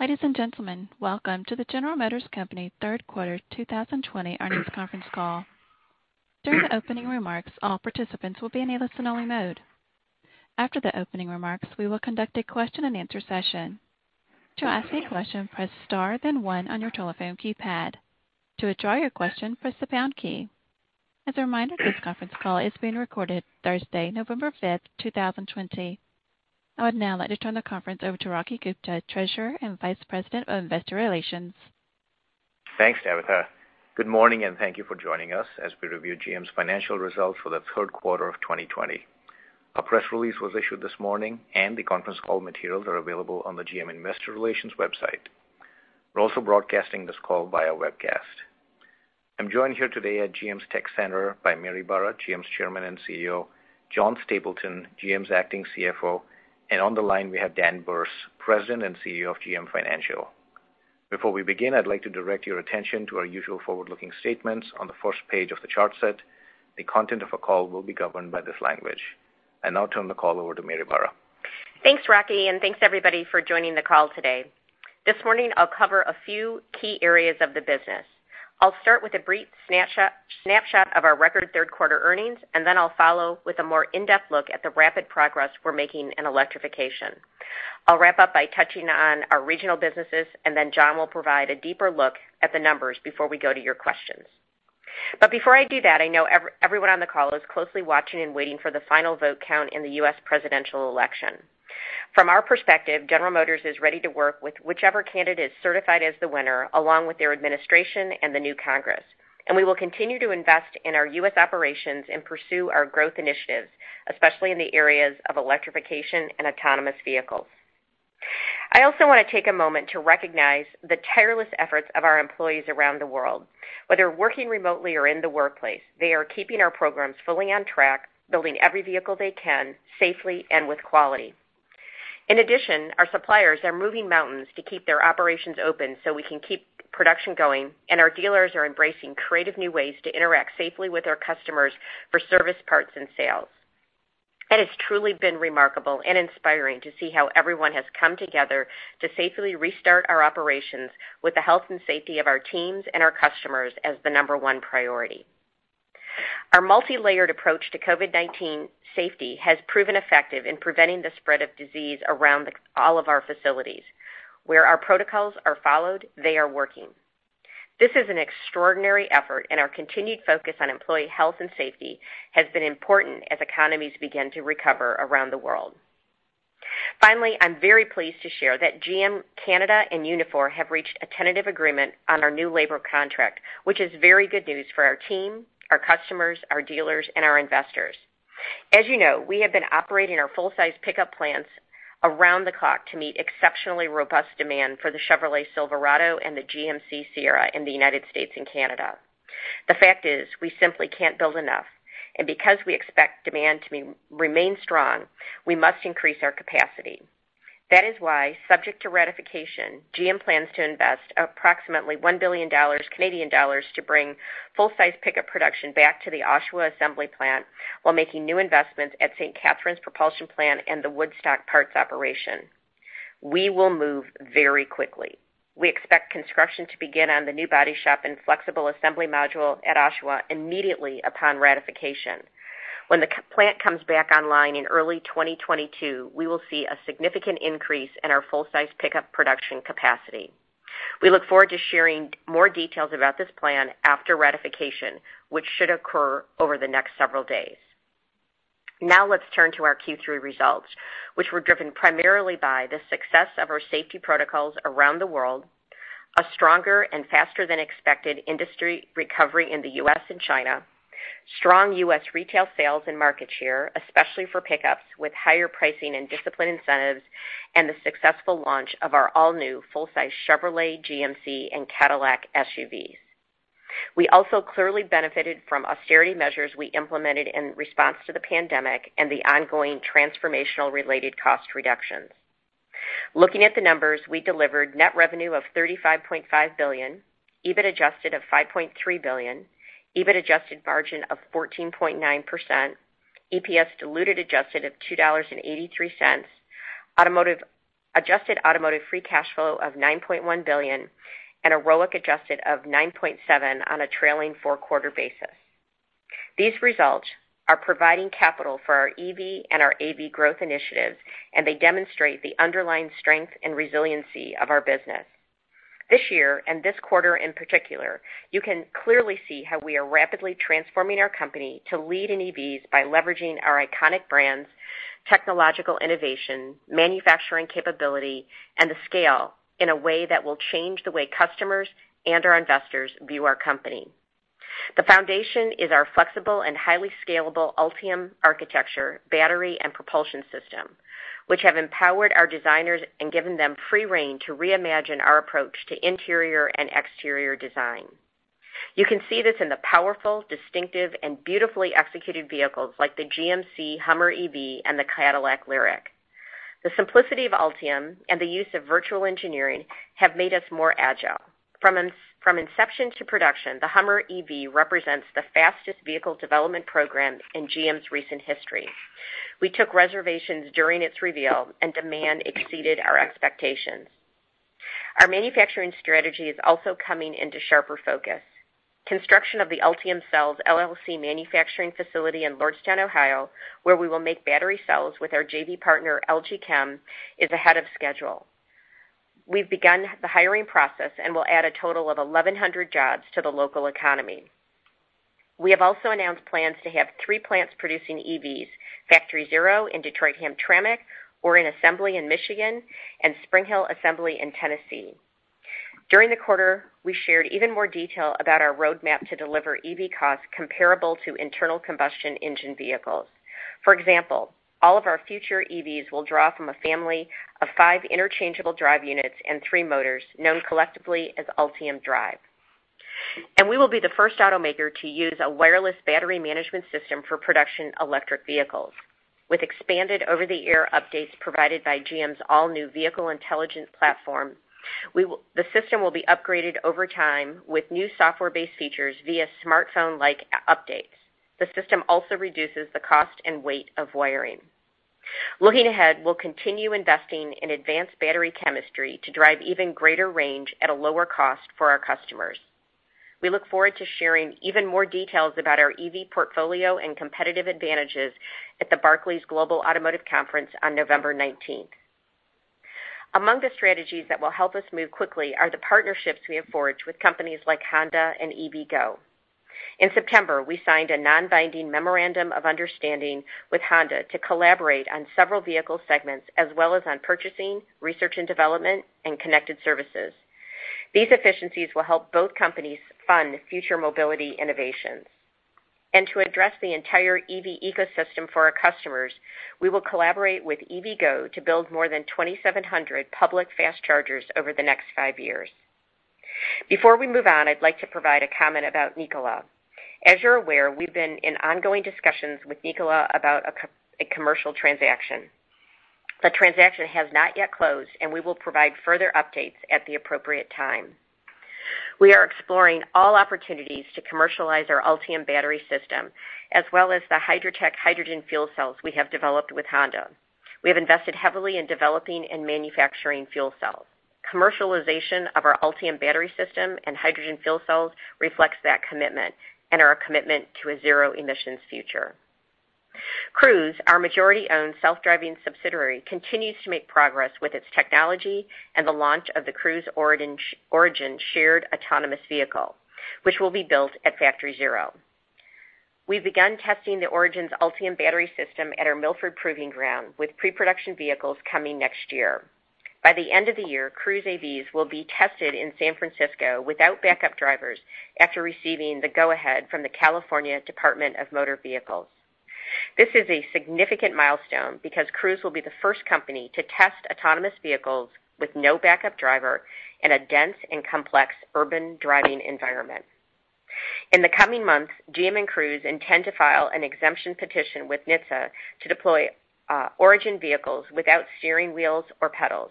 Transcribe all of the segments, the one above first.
Ladies and gentlemen, welcome to the General Motors Company third quarter 2020 earnings conference call. During the opening remarks, all participants will be in a listen-only mode. After the opening remarks, we will conduct a question and answer session. To ask a question, press star then one on your telephone keypad. To withdraw your question, press the pound key. As a reminder, this conference call is being recorded Thursday, November 5th, 2020. I would now like to turn the conference over to Rocky Gupta, Treasurer and Vice President of Investor Relations. Thanks, Tabitha. Good morning, and thank you for joining us as we review GM's financial results for the third quarter of 2020. A press release was issued this morning, and the conference call materials are available on the GM Investor Relations website. We're also broadcasting this call via webcast. I'm joined here today at GM's Tech Center by Mary Barra, GM's Chairman and CEO, John Stapleton, GM's acting CFO, and on the line, we have Dan Berce, President and CEO of GM Financial. Before we begin, I'd like to direct your attention to our usual forward-looking statements on the first page of the chart set. The content of our call will be governed by this language. I now turn the call over to Mary Barra. Thanks, Rocky, and thanks everybody for joining the call today. This morning, I'll cover a few key areas of the business. I'll start with a brief snapshot of our record third quarter earnings, and then I'll follow with a more in-depth look at the rapid progress we're making in electrification. I'll wrap up by touching on our regional businesses, and then John will provide a deeper look at the numbers before we go to your questions. Before I do that, I know everyone on the call is closely watching and waiting for the final vote count in the U.S. presidential election. From our perspective, General Motors is ready to work with whichever candidate is certified as the winner, along with their administration and the new Congress. We will continue to invest in our U.S. operations and pursue our growth initiatives, especially in the areas of electrification and autonomous vehicles. I also want to take a moment to recognize the tireless efforts of our employees around the world. Whether working remotely or in the workplace, they are keeping our programs fully on track, building every vehicle they can safely and with quality. In addition, our suppliers are moving mountains to keep their operations open so we can keep production going, and our dealers are embracing creative new ways to interact safely with our customers for service, parts, and sales. It has truly been remarkable and inspiring to see how everyone has come together to safely restart our operations with the health and safety of our teams and our customers as the number one priority. Our multi-layered approach to COVID-19 safety has proven effective in preventing the spread of disease around all of our facilities. Where our protocols are followed, they are working. This is an extraordinary effort, our continued focus on employee health and safety has been important as economies begin to recover around the world. Finally, I'm very pleased to share that GM Canada and Unifor have reached a tentative agreement on our new labor contract, which is very good news for our team, our customers, our dealers, and our investors. As you know, we have been operating our full-size pickup plants around the clock to meet exceptionally robust demand for the Chevrolet Silverado and the GMC Sierra in the U.S. and Canada. The fact is, we simply can't build enough, because we expect demand to remain strong, we must increase our capacity. That is why, subject to ratification, GM plans to invest approximately 1 billion Canadian dollars to bring full-size pickup production back to the Oshawa Assembly Plant while making new investments at St. Catharines Propulsion Plant and the Woodstock Parts operation. We will move very quickly. We expect construction to begin on the new body shop and flexible assembly module at Oshawa immediately upon ratification. When the plant comes back online in early 2022, we will see a significant increase in our full-size pickup production capacity. We look forward to sharing more details about this plan after ratification, which should occur over the next several days. Now let's turn to our Q3 results, which were driven primarily by the success of our safety protocols around the world, a stronger and faster-than-expected industry recovery in the U.S. and China, strong U.S. retail sales and market share, especially for pickups, with higher pricing and disciplined incentives, and the successful launch of our all-new full-size Chevrolet, GMC, and Cadillac SUVs. We also clearly benefited from austerity measures we implemented in response to the pandemic and the ongoing transformational related cost reductions. Looking at the numbers, we delivered net revenue of $35.5 billion, EBIT adjusted of $5.3 billion, EBIT adjusted margin of 14.9%, EPS diluted adjusted of $2.83, adjusted automotive free cash flow of $9.1 billion, and a ROIC adjusted of 9.7% on a trailing four-quarter basis. These results are providing capital for our EV and our AV growth initiatives. They demonstrate the underlying strength and resiliency of our business. This year and this quarter in particular, you can clearly see how we are rapidly transforming our company to lead in EVs by leveraging our iconic brands, technological innovation, manufacturing capability, and the scale in a way that will change the way customers and our investors view our company. The foundation is our flexible and highly scalable Ultium architecture, battery, and propulsion system, which have empowered our designers and given them free rein to reimagine our approach to interior and exterior design. You can see this in the powerful, distinctive, and beautifully executed vehicles like the GMC Hummer EV and the Cadillac Lyriq. The simplicity of Ultium and the use of virtual engineering have made us more agile. From inception to production, the HUMMER EV represents the fastest vehicle development program in GM's recent history. We took reservations during its reveal, and demand exceeded our expectations. Our manufacturing strategy is also coming into sharper focus. Construction of the Ultium Cells LLC manufacturing facility in Lordstown, Ohio, where we will make battery cells with our JV partner, LG Chem, is ahead of schedule. We've begun the hiring process and will add a total of 1,100 jobs to the local economy. We have also announced plans to have three plants producing EVs, Factory ZERO in Detroit-Hamtramck, Orion Assembly in Michigan, and Spring Hill Assembly in Tennessee. During the quarter, we shared even more detail about our roadmap to deliver EV costs comparable to internal combustion engine vehicles. For example, all of our future EVs will draw from a family of five interchangeable drive units and three motors, known collectively as Ultium Drive. We will be the first automaker to use a wireless battery management system for production electric vehicles. With expanded over-the-air updates provided by GM's all-new Vehicle Intelligence Platform, the system will be upgraded over time with new software-based features via smartphone-like updates. The system also reduces the cost and weight of wiring. Looking ahead, we'll continue investing in advanced battery chemistry to drive even greater range at a lower cost for our customers. We look forward to sharing even more details about our EV portfolio and competitive advantages at the Barclays Global Automotive Conference on November 19th. Among the strategies that will help us move quickly are the partnerships we have forged with companies like Honda and EVgo. In September, we signed a non-binding memorandum of understanding with Honda to collaborate on several vehicle segments, as well as on purchasing, research and development, and connected services. These efficiencies will help both companies fund future mobility innovations. To address the entire EV ecosystem for our customers, we will collaborate with EVgo to build more than 2,700 public fast chargers over the next five years. Before we move on, I'd like to provide a comment about Nikola. As you're aware, we've been in ongoing discussions with Nikola about a commercial transaction. The transaction has not yet closed, and we will provide further updates at the appropriate time. We are exploring all opportunities to commercialize our Ultium battery system, as well as the HYDROTEC hydrogen fuel cells we have developed with Honda. We have invested heavily in developing and manufacturing fuel cells. Commercialization of our Ultium battery system and hydrogen fuel cells reflects that commitment and our commitment to a zero-emissions future. Cruise, our majority-owned self-driving subsidiary, continues to make progress with its technology and the launch of the Cruise Origin shared autonomous vehicle, which will be built at Factory ZERO. We've begun testing the Origin's Ultium battery system at our Milford Proving Ground, with pre-production vehicles coming next year. By the end of the year, Cruise AVs will be tested in San Francisco without backup drivers after receiving the go-ahead from the California Department of Motor Vehicles. This is a significant milestone because Cruise will be the first company to test autonomous vehicles with no backup driver in a dense and complex urban driving environment. In the coming months, GM and Cruise intend to file an exemption petition with NHTSA to deploy Origin vehicles without steering wheels or pedals.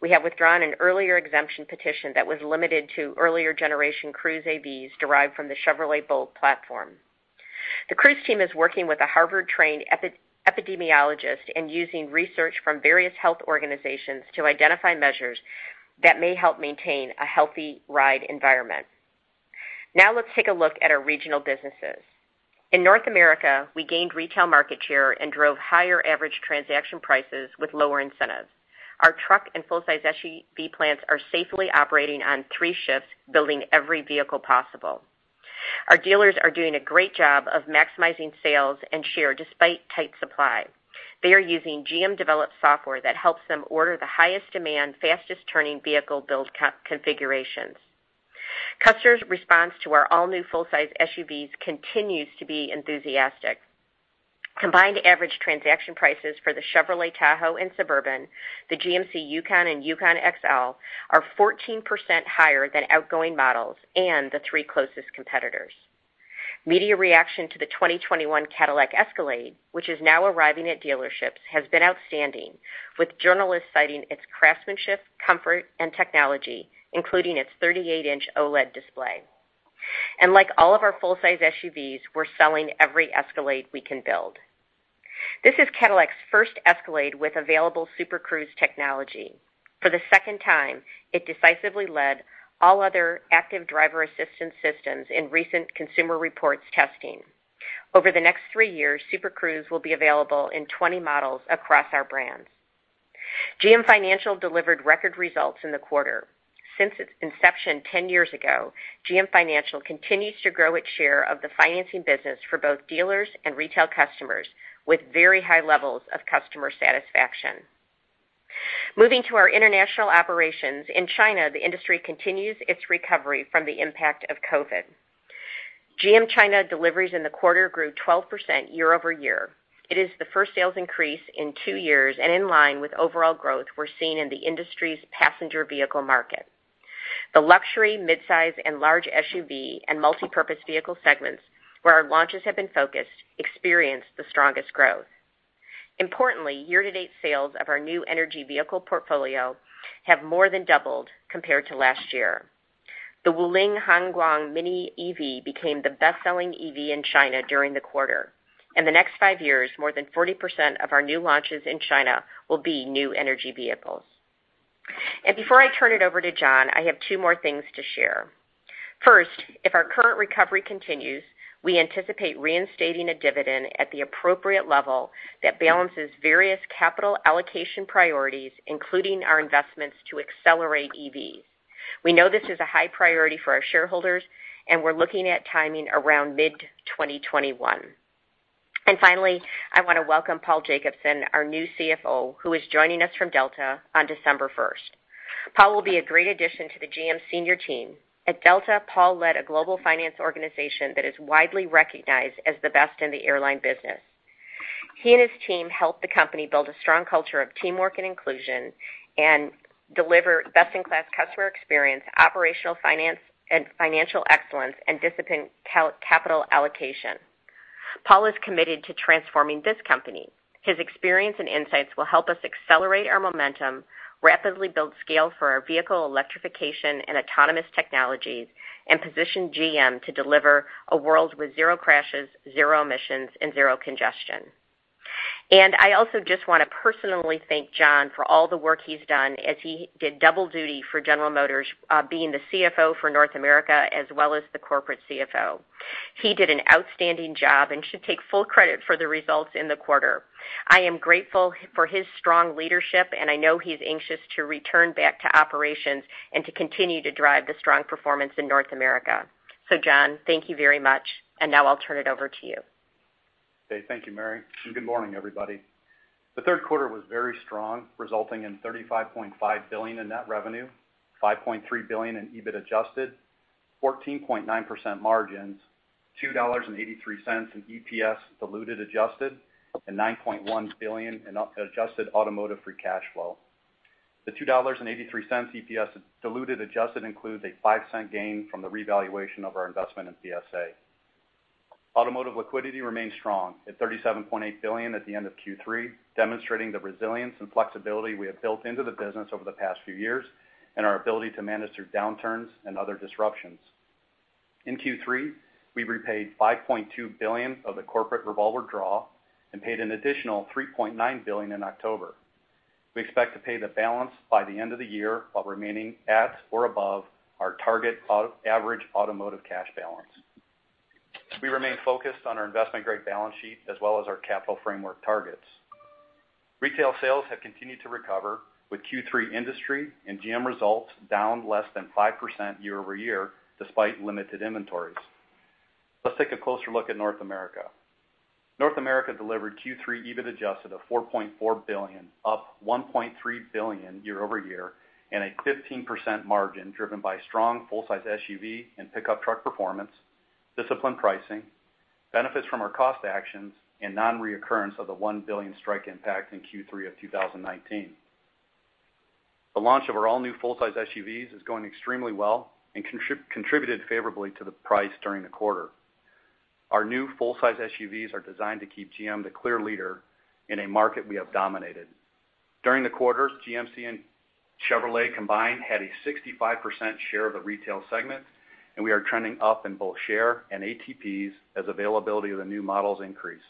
We have withdrawn an earlier exemption petition that was limited to earlier generation Cruise AVs derived from the Chevrolet Bolt platform. The Cruise team is working with a Harvard-trained epidemiologist and using research from various health organizations to identify measures that may help maintain a healthy ride environment. Now let's take a look at our regional businesses. In North America, we gained retail market share and drove higher average transaction prices with lower incentives. Our truck and full-size SUV plants are safely operating on three shifts, building every vehicle possible. Our dealers are doing a great job of maximizing sales and share despite tight supply. They are using GM-developed software that helps them order the highest demand, fastest-turning vehicle build configurations. Customers' response to our all-new full-size SUVs continues to be enthusiastic. Combined average transaction prices for the Chevrolet Tahoe and Suburban, the GMC Yukon, and Yukon XL are 14% higher than outgoing models and the three closest competitors. Media reaction to the 2021 Cadillac Escalade, which is now arriving at dealerships, has been outstanding, with journalists citing its craftsmanship, comfort, and technology, including its 38-inch OLED display. Like all of our full-size SUVs, we're selling every Escalade we can build. This is Cadillac's first Escalade with available Super Cruise technology. For the second time, it decisively led all other active driver assistance systems in recent Consumer Reports testing. Over the next three years, Super Cruise will be available in 20 models across our brands. GM Financial delivered record results in the quarter. Since its inception 10 years ago, GM Financial continues to grow its share of the financing business for both dealers and retail customers, with very high levels of customer satisfaction. Moving to our international operations. In China, the industry continues its recovery from the impact of COVID. GM China deliveries in the quarter grew 12% year-over-year. It is the first sales increase in two years and in line with overall growth we're seeing in the industry's passenger vehicle market. The luxury midsize and large SUV and multipurpose vehicle segments, where our launches have been focused, experienced the strongest growth. Importantly, year-to-date sales of our new energy vehicle portfolio have more than doubled compared to last year. The Wuling Hongguang Mini EV became the best-selling EV in China during the quarter. In the next five years, more than 40% of our new launches in China will be new energy vehicles. Before I turn it over to John, I have two more things to share. First, if our current recovery continues, we anticipate reinstating a dividend at the appropriate level that balances various capital allocation priorities, including our investments to accelerate EVs. We know this is a high priority for our shareholders, and we're looking at timing around mid-2021. Finally, I want to welcome Paul Jacobson, our new CFO, who is joining us from Delta on December 1st. Paul will be a great addition to the GM senior team. At Delta, Paul led a global finance organization that is widely recognized as the best in the airline business. He and his team helped the company build a strong culture of teamwork and inclusion, and deliver best-in-class customer experience, operational finance, and financial excellence, and disciplined capital allocation. Paul is committed to transforming this company. His experience and insights will help us accelerate our momentum, rapidly build scale for our vehicle electrification and autonomous technologies, and position GM to deliver a world with zero crashes, zero emissions, and zero congestion. I also just want to personally thank John for all the work he's done as he did double duty for General Motors, being the CFO for North America, as well as the corporate CFO. He did an outstanding job and should take full credit for the results in the quarter. I am grateful for his strong leadership, and I know he's anxious to return back to operations and to continue to drive the strong performance in North America. John, thank you very much, and now I'll turn it over to you. Okay. Thank you, Mary, good morning, everybody. The third quarter was very strong, resulting in $35.5 billion in net revenue, $5.3 billion in EBIT adjusted, 14.9% margins, $2.83 in EPS diluted adjusted, and $9.1 billion in adjusted automotive free cash flow. The $2.83 EPS diluted adjusted includes a $0.05 gain from the revaluation of our investment in PSA. Automotive liquidity remains strong at $37.8 billion at the end of Q3, demonstrating the resilience and flexibility we have built into the business over the past few years, and our ability to manage through downturns and other disruptions. In Q3, we repaid $5.2 billion of the corporate revolver draw and paid an additional $3.9 billion in October. We expect to pay the balance by the end of the year while remaining at or above our target average automotive cash balance. We remain focused on our investment-grade balance sheet as well as our capital framework targets. Retail sales have continued to recover with Q3 industry and GM results down less than 5% year-over-year despite limited inventories. Let's take a closer look at North America. North America delivered Q3 EBIT adjusted of $4.4 billion, up $1.3 billion year-over-year, and a 15% margin driven by strong full-size SUV and pickup truck performance, disciplined pricing, benefits from our cost actions, and non-reoccurrence of the $1 billion strike impact in Q3 of 2019. The launch of our all-new full-size SUVs is going extremely well and contributed favorably to the price during the quarter. Our new full-size SUVs are designed to keep GM the clear leader in a market we have dominated. During the quarter, GMC and Chevrolet combined had a 65% share of the retail segment. We are trending up in both share and ATPs as availability of the new models increase.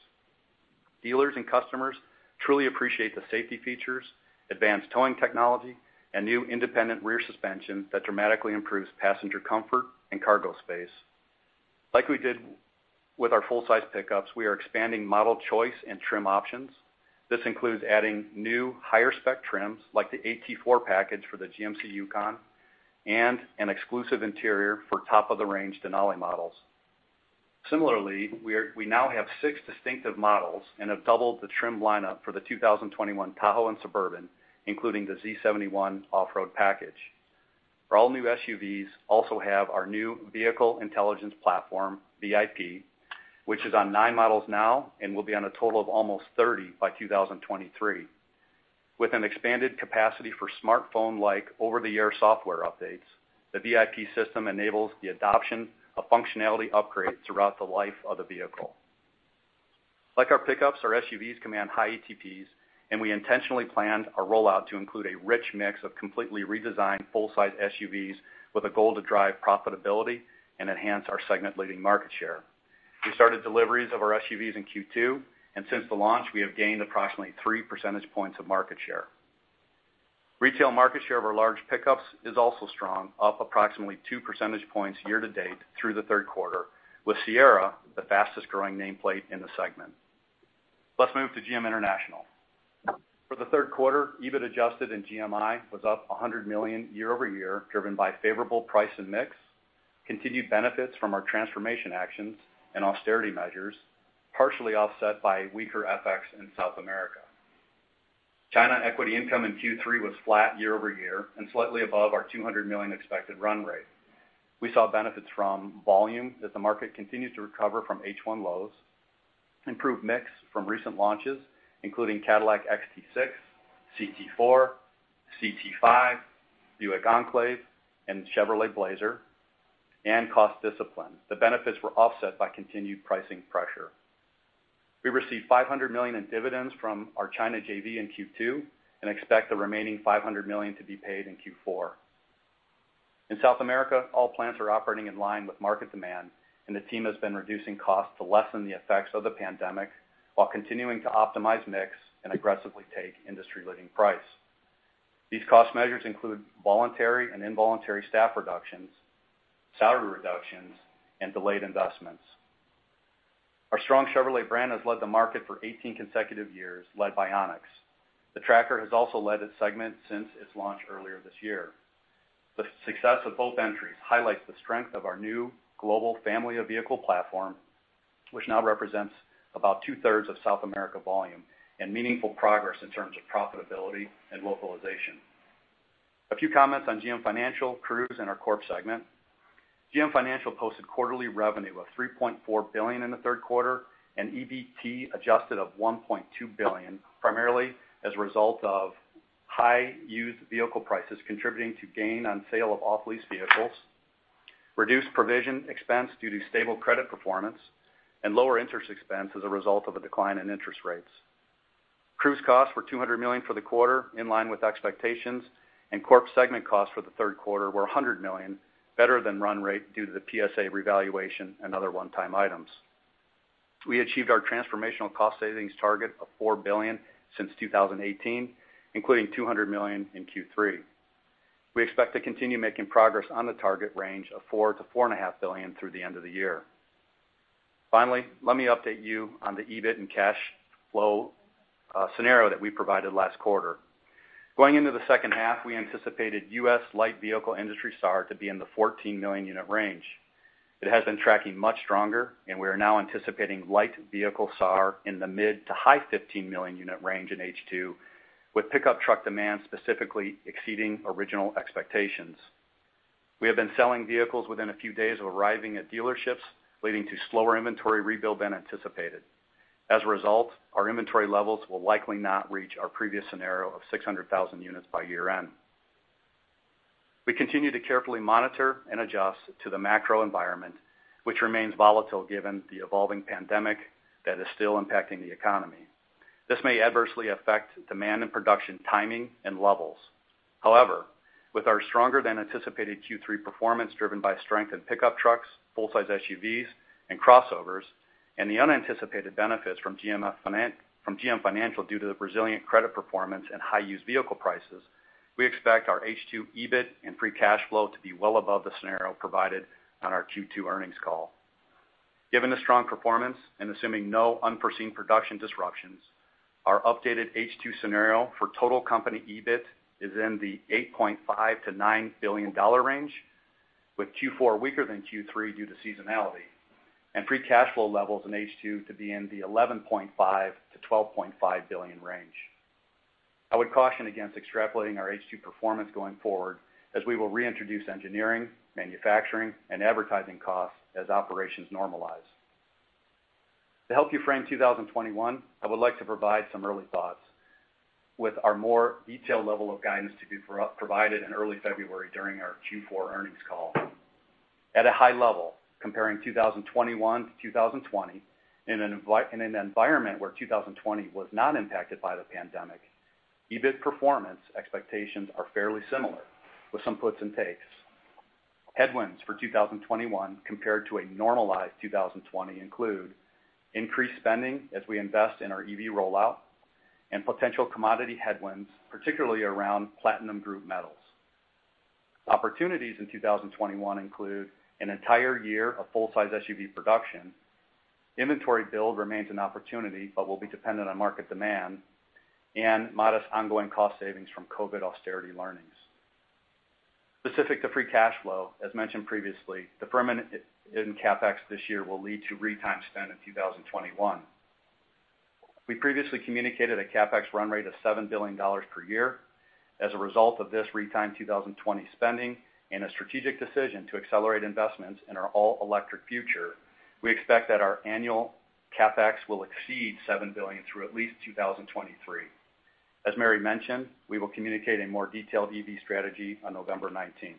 Dealers and customers truly appreciate the safety features, advanced towing technology, and new independent rear suspension that dramatically improves passenger comfort and cargo space. Like we did with our full-size pickups, we are expanding model choice and trim options. This includes adding new higher spec trims, like the AT4 package for the GMC Yukon, and an exclusive interior for top-of-the-range Denali models. Similarly, we now have six distinctive models and have doubled the trim lineup for the 2021 Tahoe and Suburban, including the Z71 off-road package. Our all new SUVs also have our new Vehicle Intelligence Platform, VIP, which is on nine models now and will be on a total of almost 30 by 2023. With an expanded capacity for smartphone-like over-the-air software updates, the VIP system enables the adoption of functionality upgrades throughout the life of the vehicle. Like our pickups, our SUVs command high ATPs. We intentionally planned our rollout to include a rich mix of completely redesigned full-size SUVs with a goal to drive profitability and enhance our segment-leading market share. We started deliveries of our SUVs in Q2, and since the launch, we have gained approximately three percentage points of market share. Retail market share of our large pickups is also strong, up approximately two percentage points year to date through the third quarter, with Sierra the fastest-growing nameplate in the segment. Let's move to GM International. For the third quarter, EBIT adjusted in GMI was up $100 million year-over-year, driven by favorable price and mix, continued benefits from our transformation actions and austerity measures, partially offset by weaker FX in South America. China equity income in Q3 was flat year-over-year and slightly above our $200 million expected run rate. We saw benefits from volume as the market continued to recover from H1 lows, improved mix from recent launches, including Cadillac XT6, CT4, CT5, Buick Enclave, and Chevrolet Blazer, and cost discipline. The benefits were offset by continued pricing pressure. We received $500 million in dividends from our China JV in Q2 and expect the remaining $500 million to be paid in Q4. In South America, all plants are operating in line with market demand, and the team has been reducing costs to lessen the effects of the pandemic while continuing to optimize mix and aggressively take industry-leading price. These cost measures include voluntary and involuntary staff reductions, salary reductions, and delayed investments. Our strong Chevrolet brand has led the market for 18 consecutive years, led by Onix. The Tracker has also led its segment since its launch earlier this year. The success of both entries highlights the strength of our new global family of vehicle platform, which now represents about two-thirds of South America volume and meaningful progress in terms of profitability and localization. A few comments on GM Financial, Cruise, and our Corp segment. GM Financial posted quarterly revenue of $3.4 billion in the third quarter and EBT adjusted of $1.2 billion, primarily as a result of high used vehicle prices contributing to gain on sale of off-lease vehicles, reduced provision expense due to stable credit performance, and lower interest expense as a result of a decline in interest rates. Cruise costs were $200 million for the quarter, in line with expectations, and Corp segment costs for the third quarter were $100 million, better than run rate due to the PSA revaluation and other one-time items. We achieved our transformational cost savings target of $4 billion since 2018, including $200 million in Q3. We expect to continue making progress on the target range of $4 billion-$4.5 billion through the end of the year. Finally, let me update you on the EBIT and cash flow scenario that we provided last quarter. Going into the second half, we anticipated U.S. light vehicle industry SAAR to be in the 14-million-unit range. It has been tracking much stronger. We are now anticipating light vehicle SAAR in the mid to high 15-million-unit range in H2, with pickup truck demand specifically exceeding original expectations. We have been selling vehicles within a few days of arriving at dealerships, leading to slower inventory rebuild than anticipated. As a result, our inventory levels will likely not reach our previous scenario of 600,000 units by year-end. We continue to carefully monitor and adjust to the macro environment, which remains volatile given the evolving pandemic that is still impacting the economy. This may adversely affect demand and production timing and levels. With our stronger than anticipated Q3 performance driven by strength in pickup trucks, full-size SUVs, and crossovers, and the unanticipated benefits from GM Financial due to the resilient credit performance and high-use vehicle prices, we expect our H2 EBIT and free cash flow to be well above the scenario provided on our Q2 earnings call. Given the strong performance and assuming no unforeseen production disruptions, our updated H2 scenario for total company EBIT is in the $8.5 billion-$9 billion range, with Q4 weaker than Q3 due to seasonality, and free cash flow levels in H2 to be in the $11.5 billion-$12.5 billion range. I would caution against extrapolating our H2 performance going forward, as we will reintroduce engineering, manufacturing, and advertising costs as operations normalize. To help you frame 2021, I would like to provide some early thoughts with our more detailed level of guidance to be provided in early February during our Q4 earnings call. At a high level, comparing 2021 to 2020, in an environment where 2020 was not impacted by the pandemic, EBIT performance expectations are fairly similar, with some puts and takes. Headwinds for 2021 compared to a normalized 2020 include increased spending as we invest in our EV rollout and potential commodity headwinds, particularly around platinum group metals. Opportunities in 2021 include an entire year of full-size SUV production. Inventory build remains an opportunity but will be dependent on market demand, and modest ongoing cost savings from COVID austerity learnings. Specific to free cash flow, as mentioned previously, deferment in CapEx this year will lead to retimed spend in 2021. We previously communicated a CapEx run rate of $7 billion per year. As a result of this retimed 2020 spending and a strategic decision to accelerate investments in our all-electric future, we expect that our annual CapEx will exceed $7 billion through at least 2023. As Mary mentioned, we will communicate a more detailed EV strategy on November 19th.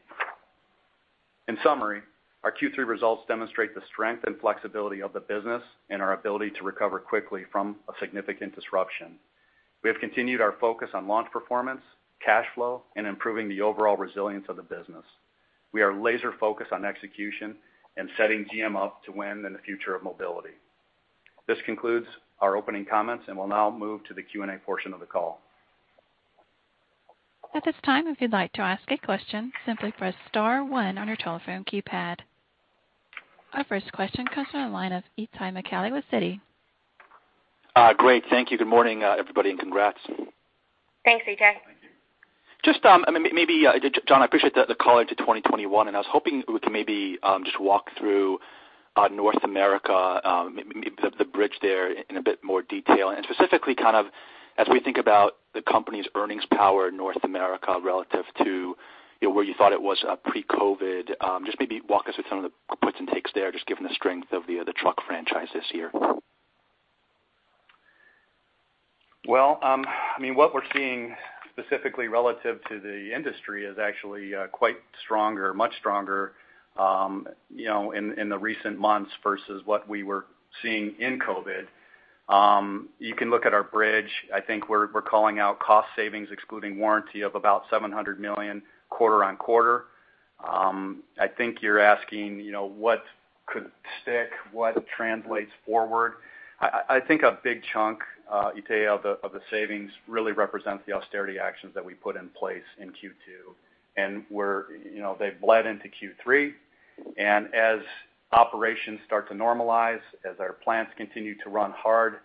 In summary, our Q3 results demonstrate the strength and flexibility of the business and our ability to recover quickly from a significant disruption. We have continued our focus on launch performance, cash flow, and improving the overall resilience of the business. We are laser-focused on execution and setting GM up to win in the future of mobility. This concludes our opening comments, and we'll now move to the Q3 portion of the call. Our first question comes from the line of Itay Michaeli with Citi. Great. Thank you. Good morning, everybody, and congrats. Thanks, Itay. Maybe, John, I appreciate the call out to 2021. I was hoping we could maybe walk through on North America, maybe the bridge there in a bit more detail. Specifically, as we think about the company's earnings power in North America relative to where you thought it was pre-COVID. Maybe walk us through some of the puts and takes there, given the strength of the truck franchise this year. Well, what we're seeing specifically relative to the industry is actually quite stronger, much stronger, in the recent months versus what we were seeing in COVID. You can look at our bridge. I think we're calling out cost savings excluding warranty of about $700 million quarter-on-quarter. I think you're asking what could stick, what translates forward. I think a big chunk, Itay, of the savings really represents the austerity actions that we put in place in Q2. They've bled into Q3. As operations start to normalize, as our plants continue to run hard,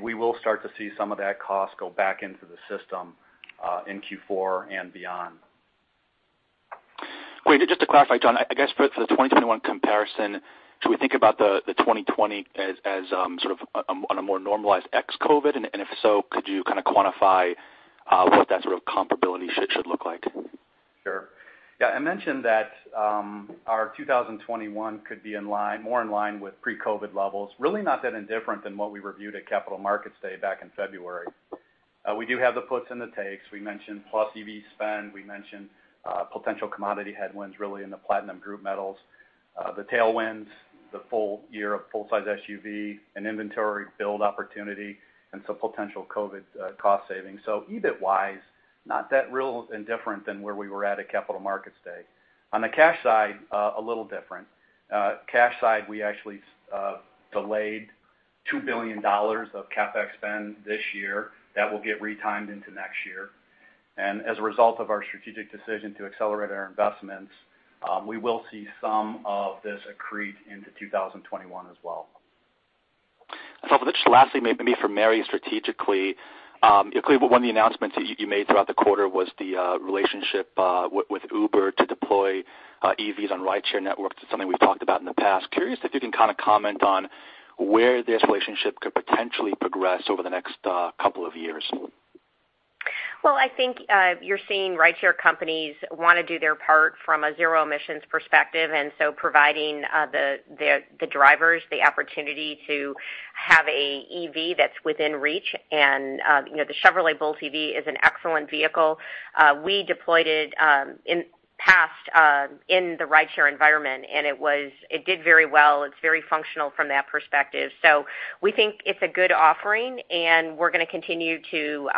we will start to see some of that cost go back into the system in Q4 and beyond. Great. Just to clarify, John, I guess for the 2021 comparison, should we think about the 2020 as sort of on a more normalized ex-COVID? If so, could you kind of quantify what that sort of comparability should look like? Sure. I mentioned that our 2021 could be more in line with pre-COVID levels. Really not that indifferent than what we reviewed at Capital Markets Day back in February. We do have the puts and the takes. We mentioned plus EV spend, we mentioned potential commodity headwinds, really in the platinum group metals. The tailwinds, the full year of full size SUV and inventory build opportunity, and some potential COVID cost savings. EBIT wise, not that real indifferent than where we were at at Capital Markets Day. On the cash side, a little different. Cash side, we actually delayed $2 billion of CapEx spend this year that will get retimed into next year. As a result of our strategic decision to accelerate our investments, we will see some of this accrete into 2021 as well. For this last thing, maybe for Mary, strategically. Clearly, one of the announcements that you made throughout the quarter was the relationship with Uber to deploy EVs on rideshare networks. It's something we've talked about in the past. Curious if you can kind of comment on where this relationship could potentially progress over the next couple of years. Well, I think you're seeing rideshare companies want to do their part from a zero emissions perspective, providing the drivers the opportunity to have a EV that's within reach. The Chevrolet Bolt EV is an excellent vehicle. We deployed it in the past in the rideshare environment, and it did very well. It's very functional from that perspective. We think it's a good offering, and we're going to continue to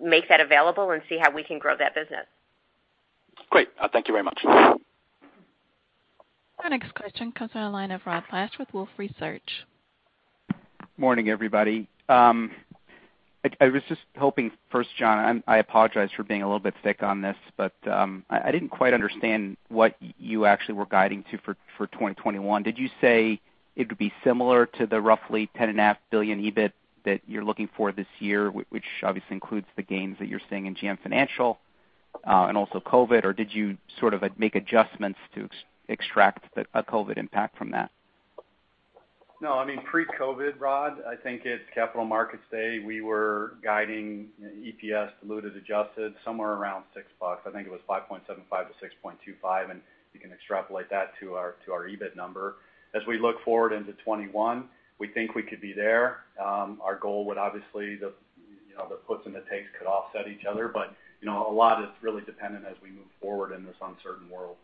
make that available and see how we can grow that business. Great. Thank you very much. Our next question comes on the line of Rod Lache with Wolfe Research. Morning, everybody. I was just hoping first, John, I apologize for being a little bit thick on this, but I didn't quite understand what you actually were guiding to for 2021. Did you say it would be similar to the roughly $10.5 billion EBIT that you're looking for this year, which obviously includes the gains that you're seeing in GM Financial, and also COVID, or did you sort of make adjustments to extract a COVID impact from that? No, I mean, pre-COVID, Rod, I think at Capital Markets Day, we were guiding EPS diluted, adjusted somewhere around $6. I think it was $5.75-$6.25, and you can extrapolate that to our EBIT number. We look forward into 2021, we think we could be there. Our goal would obviously, the puts and the takes could offset each other, but a lot is really dependent as we move forward in this uncertain world.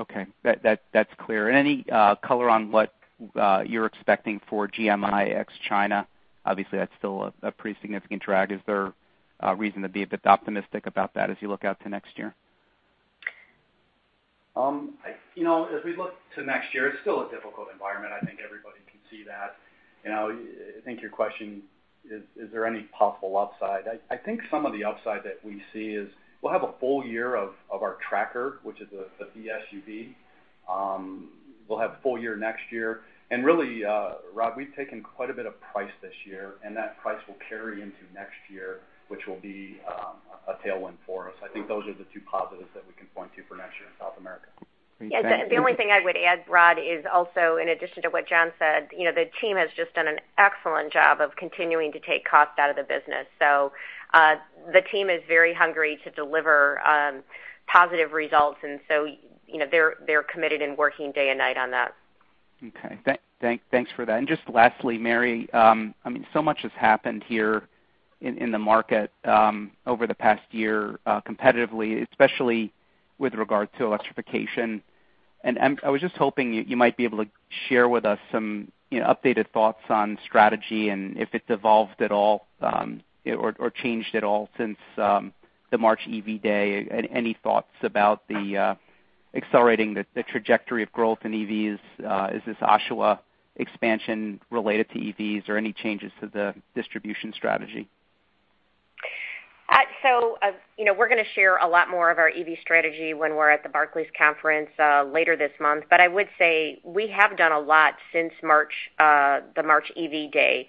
Okay. That's clear. Any color on what you're expecting for GM China? Obviously, that's still a pretty significant drag. Is there reason to be a bit optimistic about that as you look out to next year? As we look to next year, it's still a difficult environment. I think everybody can see that. I think your question, is there any possible upside? I think some of the upside that we see is we'll have a full year of our Tracker, which is the B-SUV. We'll have a full year next year. Really, Rod, we've taken quite a bit of price this year, and that price will carry into next year, which will be a tailwind for us. I think those are the two positives that we can point to for next year in South America. Thank you. Yeah, the only thing I would add, Rod, is also, in addition to what John said, the team has just done an excellent job of continuing to take cost out of the business. The team is very hungry to deliver positive results, and so they're committed and working day and night on that. Just lastly, Mary, so much has happened here in the market over the past year competitively, especially with regard to electrification. I was just hoping you might be able to share with us some updated thoughts on strategy and if it's evolved at all, or changed at all since the March EV Day. Any thoughts about accelerating the trajectory of growth in EVs? Is this Oshawa expansion related to EVs or any changes to the distribution strategy? We're going to share a lot more of our EV strategy when we're at the Barclays Conference later this month. I would say we have done a lot since the March EV Day.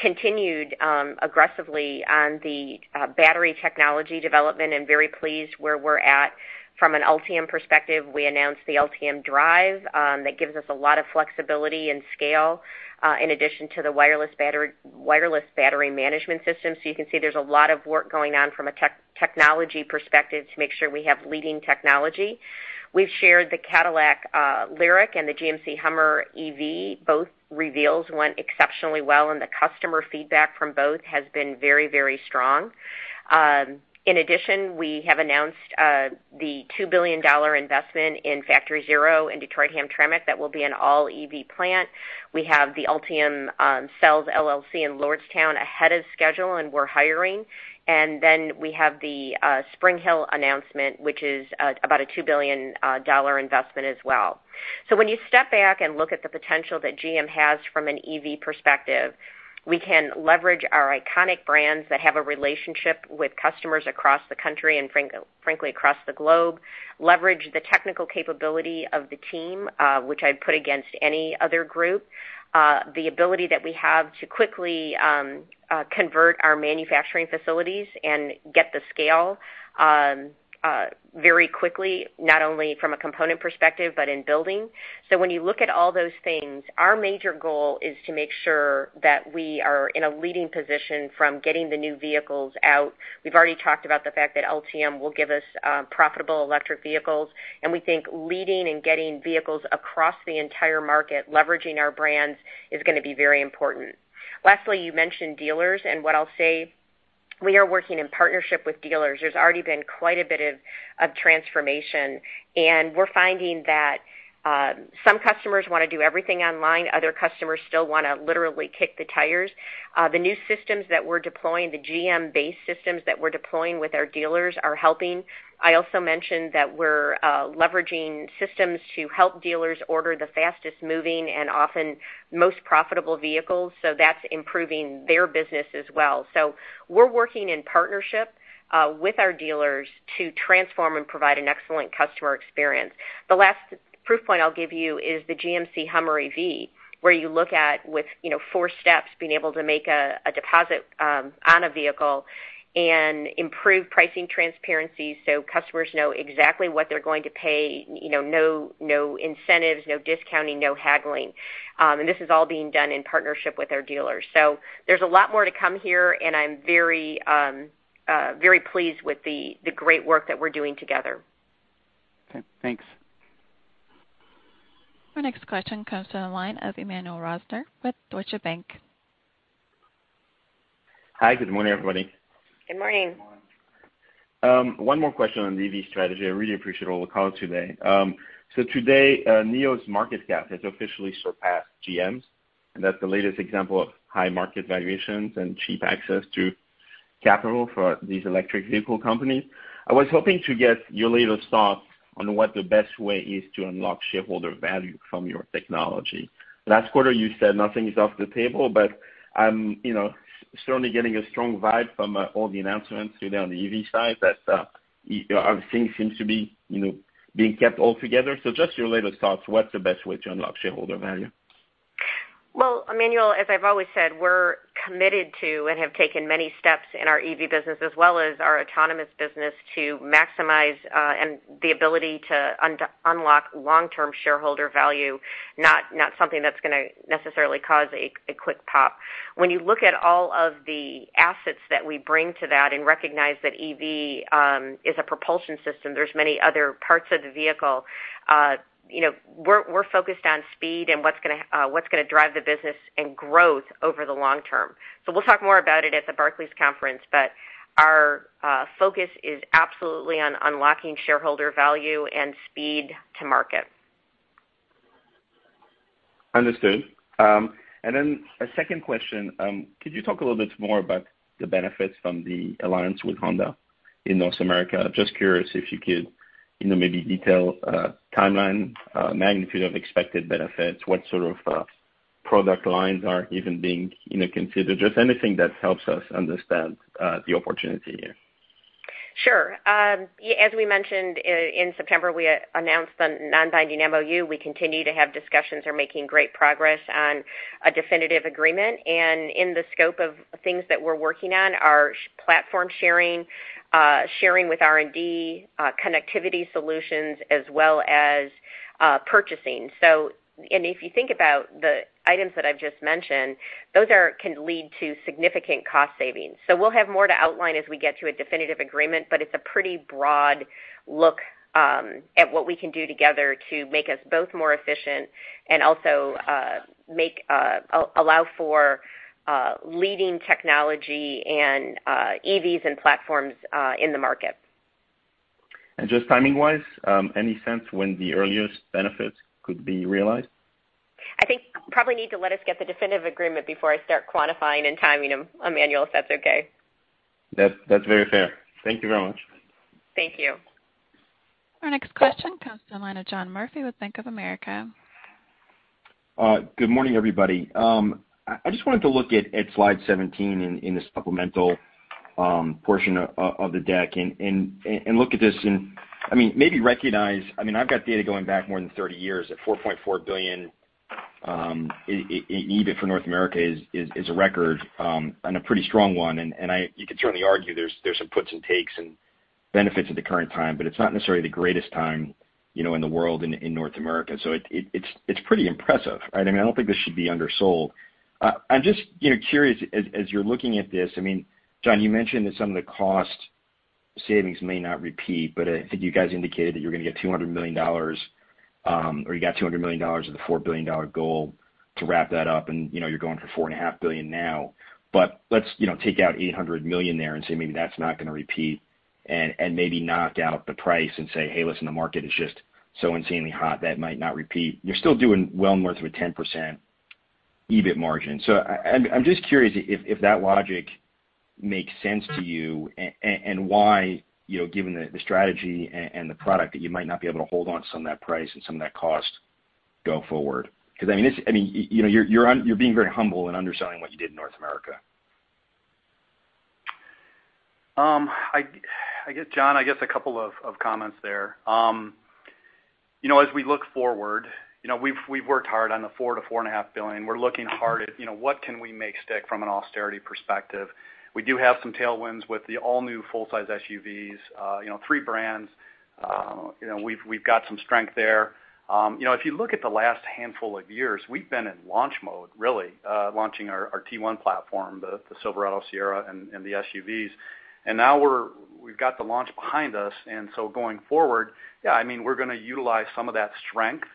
Continued aggressively on the battery technology development, and very pleased where we're at. From an Ultium perspective, we announced the Ultium Drive. That gives us a lot of flexibility and scale in addition to the wireless battery management system. You can see there's a lot of work going on from a technology perspective to make sure we have leading technology. We've shared the Cadillac Lyriq and the GMC Hummer EV. Both reveals went exceptionally well, and the customer feedback from both has been very strong. In addition, we have announced the $2 billion investment in Factory ZERO in Detroit-Hamtramck. That will be an all-EV plant. We have the Ultium Cells LLC in Lordstown ahead of schedule, and we're hiring. We have the Spring Hill announcement, which is about a $2 billion investment as well. When you step back and look at the potential that GM has from an EV perspective, we can leverage our iconic brands that have a relationship with customers across the country and frankly, across the globe, leverage the technical capability of the team, which I'd put against any other group, the ability that we have to quickly convert our manufacturing facilities and get the scale very quickly, not only from a component perspective, but in building. When you look at all those things, our major goal is to make sure that we are in a leading position from getting the new vehicles out. We've already talked about the fact that Ultium will give us profitable electric vehicles. We think leading and getting vehicles across the entire market, leveraging our brands, is going to be very important. Lastly, you mentioned dealers. What I'll say, we are working in partnership with dealers. There's already been quite a bit of transformation. We're finding that some customers want to do everything online. Other customers still want to literally kick the tires. The new systems that we're deploying, the GM-based systems that we're deploying with our dealers are helping. I also mentioned that we're leveraging systems to help dealers order the fastest-moving and often most profitable vehicles. That's improving their business as well. We're working in partnership with our dealers to transform and provide an excellent customer experience. The last proof point I'll give you is the GMC Hummer EV, where you look at with four steps, being able to make a deposit on a vehicle and improve pricing transparency so customers know exactly what they're going to pay. No incentives, no discounting, no haggling. This is all being done in partnership with our dealers. There's a lot more to come here, and I'm very pleased with the great work that we're doing together. Okay, thanks. Our next question comes to the line of Emmanuel Rosner with Deutsche Bank. Hi, good morning, everybody. Good morning. One more question on EV strategy. I really appreciate all the call today. Today, NIO's market cap has officially surpassed GM's, and that's the latest example of high market valuations and cheap access to capital for these electric vehicle companies. I was hoping to get your latest thoughts on what the best way is to unlock shareholder value from your technology. Last quarter, you said nothing is off the table, but I'm certainly getting a strong vibe from all the announcements on the EV side that things seems to be being kept all together. Just your latest thoughts, what's the best way to unlock shareholder value? Well, Emmanuel, as I've always said, we're committed to and have taken many steps in our EV business as well as our autonomous business to maximize, and the ability to unlock long-term shareholder value, not something that's going to necessarily cause a quick pop. When you look at all of the assets that we bring to that and recognize that EV is a propulsion system, there's many other parts of the vehicle. We're focused on speed and what's going to drive the business and growth over the long term. We'll talk more about it at the Barclays conference, but our focus is absolutely on unlocking shareholder value and speed to market. Understood. A second question. Could you talk a little bit more about the benefits from the alliance with Honda in North America? Just curious if you could maybe detail timeline, magnitude of expected benefits, what sort of product lines are even being considered, just anything that helps us understand the opportunity here. Sure. As we mentioned, in September, we announced the non-binding MoU. We continue to have discussions. We're making great progress on a definitive agreement, in the scope of things that we're working on are platform sharing with R&D, connectivity solutions, as well as purchasing. If you think about the items that I've just mentioned, those can lead to significant cost savings. We'll have more to outline as we get to a definitive agreement, but it's a pretty broad look at what we can do together to make us both more efficient and also allow for leading technology and EVs and platforms in the market. Just timing-wise, any sense when the earliest benefits could be realized? I think you probably need to let us get the definitive agreement before I start quantifying and timing them, Emmanuel, if that's okay. That's very fair. Thank you very much. Thank you. Our next question comes to the line of John Murphy with Bank of America. Good morning, everybody. I just wanted to look at slide 17 in the supplemental portion of the deck and look at this and maybe recognize, I've got data going back more than 30 years at $4.4 billion EBIT for North America is a record, and a pretty strong one. You could certainly argue there's some puts and takes, and benefits at the current time, but it's not necessarily the greatest time in the world, in North America. It's pretty impressive, right? I don't think this should be undersold. I'm just curious, as you're looking at this, John, you mentioned that some of the cost savings may not repeat, but I think you guys indicated that you're going to get $200 million, or you got $200 million of the $4 billion goal to wrap that up, and you're going for $4.5 billion now. Let's take out $800 million there and say maybe that's not going to repeat, and maybe knock out the price and say, "Hey, listen, the market is just so insanely hot, that might not repeat." You're still doing well north of a 10% EBIT margin. I'm just curious if that logic makes sense to you, and why, given the strategy and the product, that you might not be able to hold on to some of that price and some of that cost go forward. You're being very humble and underselling what you did in North America. John, I guess a couple of comments there. As we look forward, we've worked hard on the $4 billion-$4.5 billion. We're looking hard at what can we make stick from an austerity perspective. We do have some tailwinds with the all-new full-size SUVs. Three brands. We've got some strength there. If you look at the last handful of years, we've been in launch mode, really, launching our T1 platform, the Silverado, Sierra, and the SUVs. Now we've got the launch behind us, going forward, yeah, we're going to utilize some of that strength.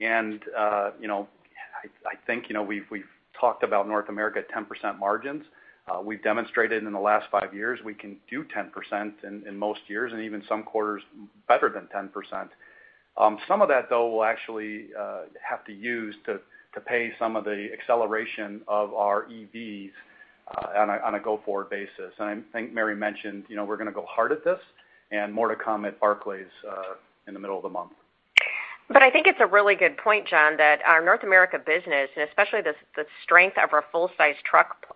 I think we've talked about North America at 10% margins. We've demonstrated in the last five years we can do 10% in most years, and even some quarters better than 10%. Some of that, though, we'll actually have to use to pay some of the acceleration of our EVs on a go-forward basis. I think Mary mentioned we're going to go hard at this, and more to come at Barclays in the middle of the month. I think it's a really good point, John, that our North America business, and especially the strength of our full-size truck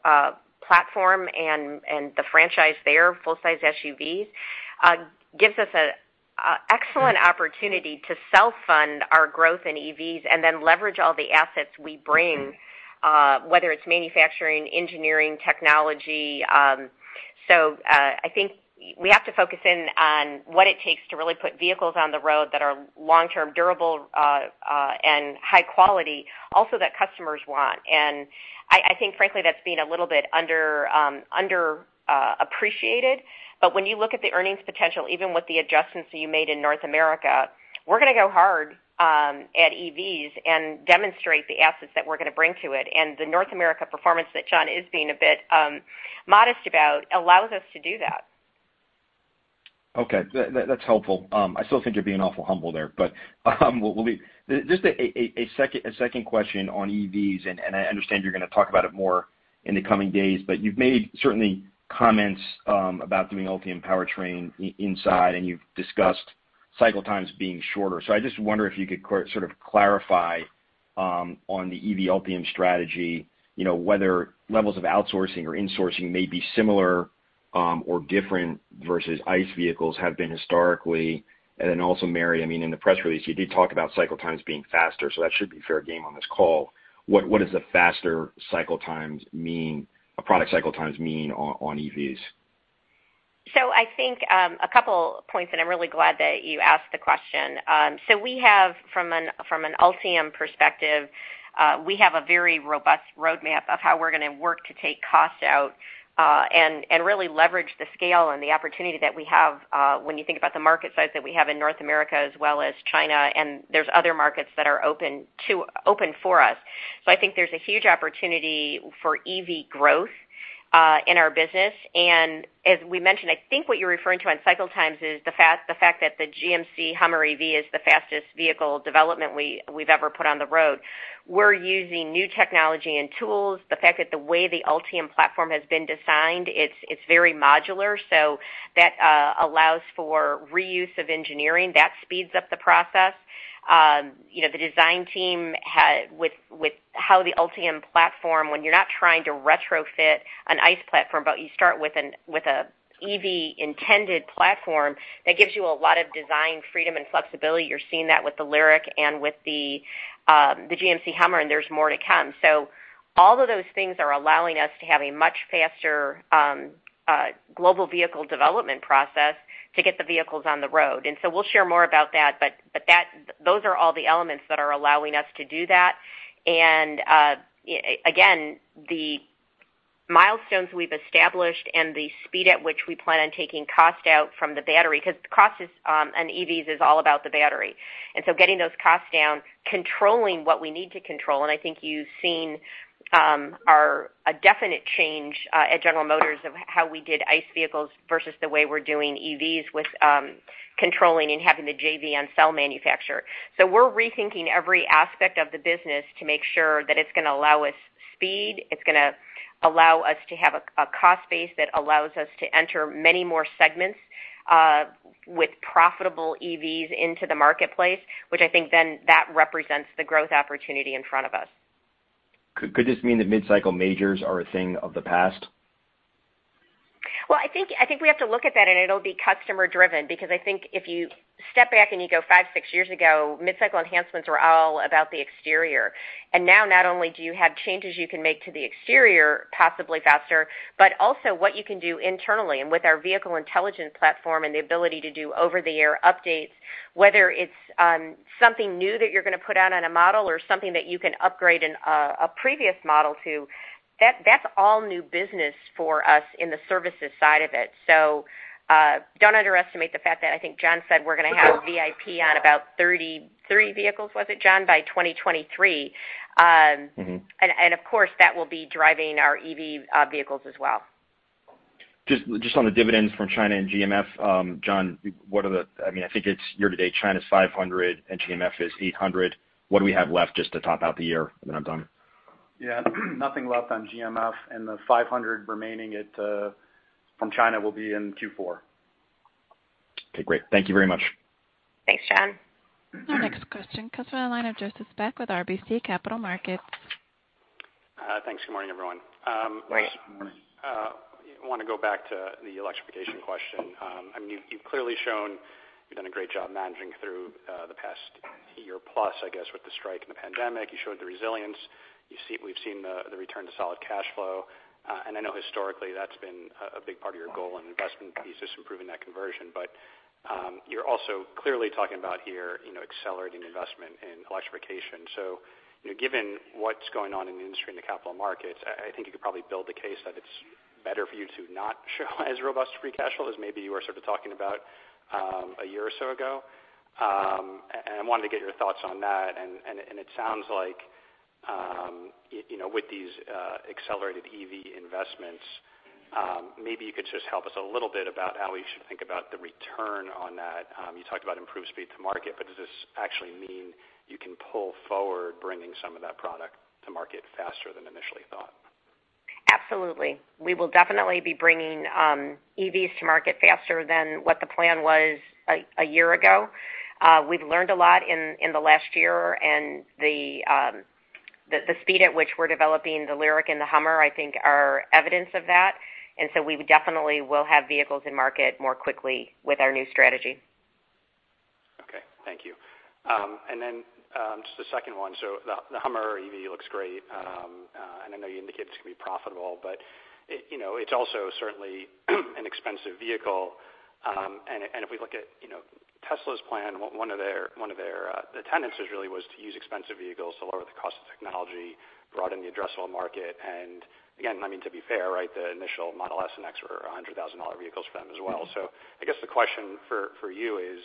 platform and the franchise there, full-size SUVs, gives us an excellent opportunity to self-fund our growth in EVs and then leverage all the assets we bring, whether it's manufacturing, engineering, technology. I think we have to focus in on what it takes to really put vehicles on the road that are long-term durable and high quality, also that customers want. I think frankly, that's been a little bit underappreciated. When you look at the earnings potential, even with the adjustments that you made in North America, we're going to go hard at EVs and demonstrate the assets that we're going to bring to it. The North America performance that John is being a bit modest about allows us to do that. Okay. That's helpful. I still think you're being awful humble there. Just a second question on EVs, and I understand you're going to talk about it more in the coming days, but you've made certainly comments about doing Ultium powertrain inside, and you've discussed cycle times being shorter. I just wonder if you could sort of clarify on the EV Ultium strategy, whether levels of outsourcing or insourcing may be similar or different versus ICE vehicles have been historically. Also, Mary, in the press release, you did talk about cycle times being faster, so that should be fair game on this call. What does a faster product cycle times mean on EVs? I think a couple points, and I'm really glad that you asked the question. From an Ultium perspective, we have a very robust roadmap of how we're going to work to take costs out, and really leverage the scale and the opportunity that we have when you think about the market size that we have in North America as well as China, and there's other markets that are open for us. I think there's a huge opportunity for EV growth in our business. As we mentioned, I think what you're referring to on cycle times is the fact that the GMC Hummer EV is the fastest vehicle development we've ever put on the road. We're using new technology and tools. The fact that the way the Ultium platform has been designed, it's very modular, so that allows for reuse of engineering. That speeds up the process. The design team, with how the Ultium platform, when you're not trying to retrofit an ICE platform, but you start with an EV-intended platform, that gives you a lot of design freedom and flexibility. You're seeing that with the LYRIQ and with the GMC HUMMER, and there's more to come. All of those things are allowing us to have a much faster global vehicle development process to get the vehicles on the road. We'll share more about that, but those are all the elements that are allowing us to do that. Again, the milestones we've established and the speed at which we plan on taking cost out from the battery, because cost in EVs is all about the battery. Getting those costs down, controlling what we need to control, and I think you've seen a definite change at General Motors of how we did ICE vehicles versus the way we're doing EVs with controlling and having the JV Ultium Cells LLC. We're rethinking every aspect of the business to make sure that it's going to allow us speed, it's going to allow us to have a cost base that allows us to enter many more segments with profitable EVs into the marketplace, which I think then that represents the growth opportunity in front of us. Could this mean that mid-cycle majors are a thing of the past? Well, I think we have to look at that and it'll be customer-driven, because I think if you step back and you go five, six years ago, mid-cycle enhancements were all about the exterior. Now not only do you have changes you can make to the exterior possibly faster, but also what you can do internally and with our Vehicle Intelligence Platform and the ability to do over-the-air updates, whether it's something new that you're going to put out on a model or something that you can upgrade a previous model to, that's all new business for us in the services side of it. Don't underestimate the fact that I think John said we're going to have VIP on about 33 vehicles, was it John, by 2023? Of course, that will be driving our EV vehicles as well. Just on the dividends from China and GMF, John, I think it's year to date, China's $500 and GMF is $800. What do we have left just to top out the year? I'm done. Yeah. Nothing left on GMF and the 500 remaining from China will be in Q4. Okay, great. Thank you very much. Thanks, John. Our next question comes from the line of Joseph Spak with RBC Capital Markets. Thanks. Good morning, everyone. Morning. I want to go back to the electrification question. You've clearly shown you've done a great job managing through the past year plus, I guess, with the strike and the pandemic. You showed the resilience. We've seen the return to solid cash flow. I know historically that's been a big part of your goal and investment thesis, improving that conversion. You're also clearly talking about here accelerating investment in electrification. Given what's going on in the industry and the capital markets, I think you could probably build a case that it's better for you to not show as robust free cash flow as maybe you were sort of talking about a year or so ago. I wanted to get your thoughts on that. It sounds like with these accelerated EV investments, maybe you could just help us a little bit about how we should think about the return on that. You talked about improved speed to market, does this actually mean you can pull forward bringing some of that product to market faster than initially thought? Absolutely. We will definitely be bringing EVs to market faster than what the plan was a year ago. We've learned a lot in the last year and the speed at which we're developing the Lyriq and the Hummer, I think are evidence of that. We definitely will have vehicles in market more quickly with our new strategy. Okay. Thank you. Then, just the second one. The HUMMER EV looks great. I know you indicated it's going to be profitable, but it's also certainly an expensive vehicle. If we look at Tesla's plan, one of their tendencies really was to use expensive vehicles to lower the cost of technology, broaden the addressable market. Again, to be fair, the initial Model S and X were $100,000 vehicles for them as well. I guess the question for you is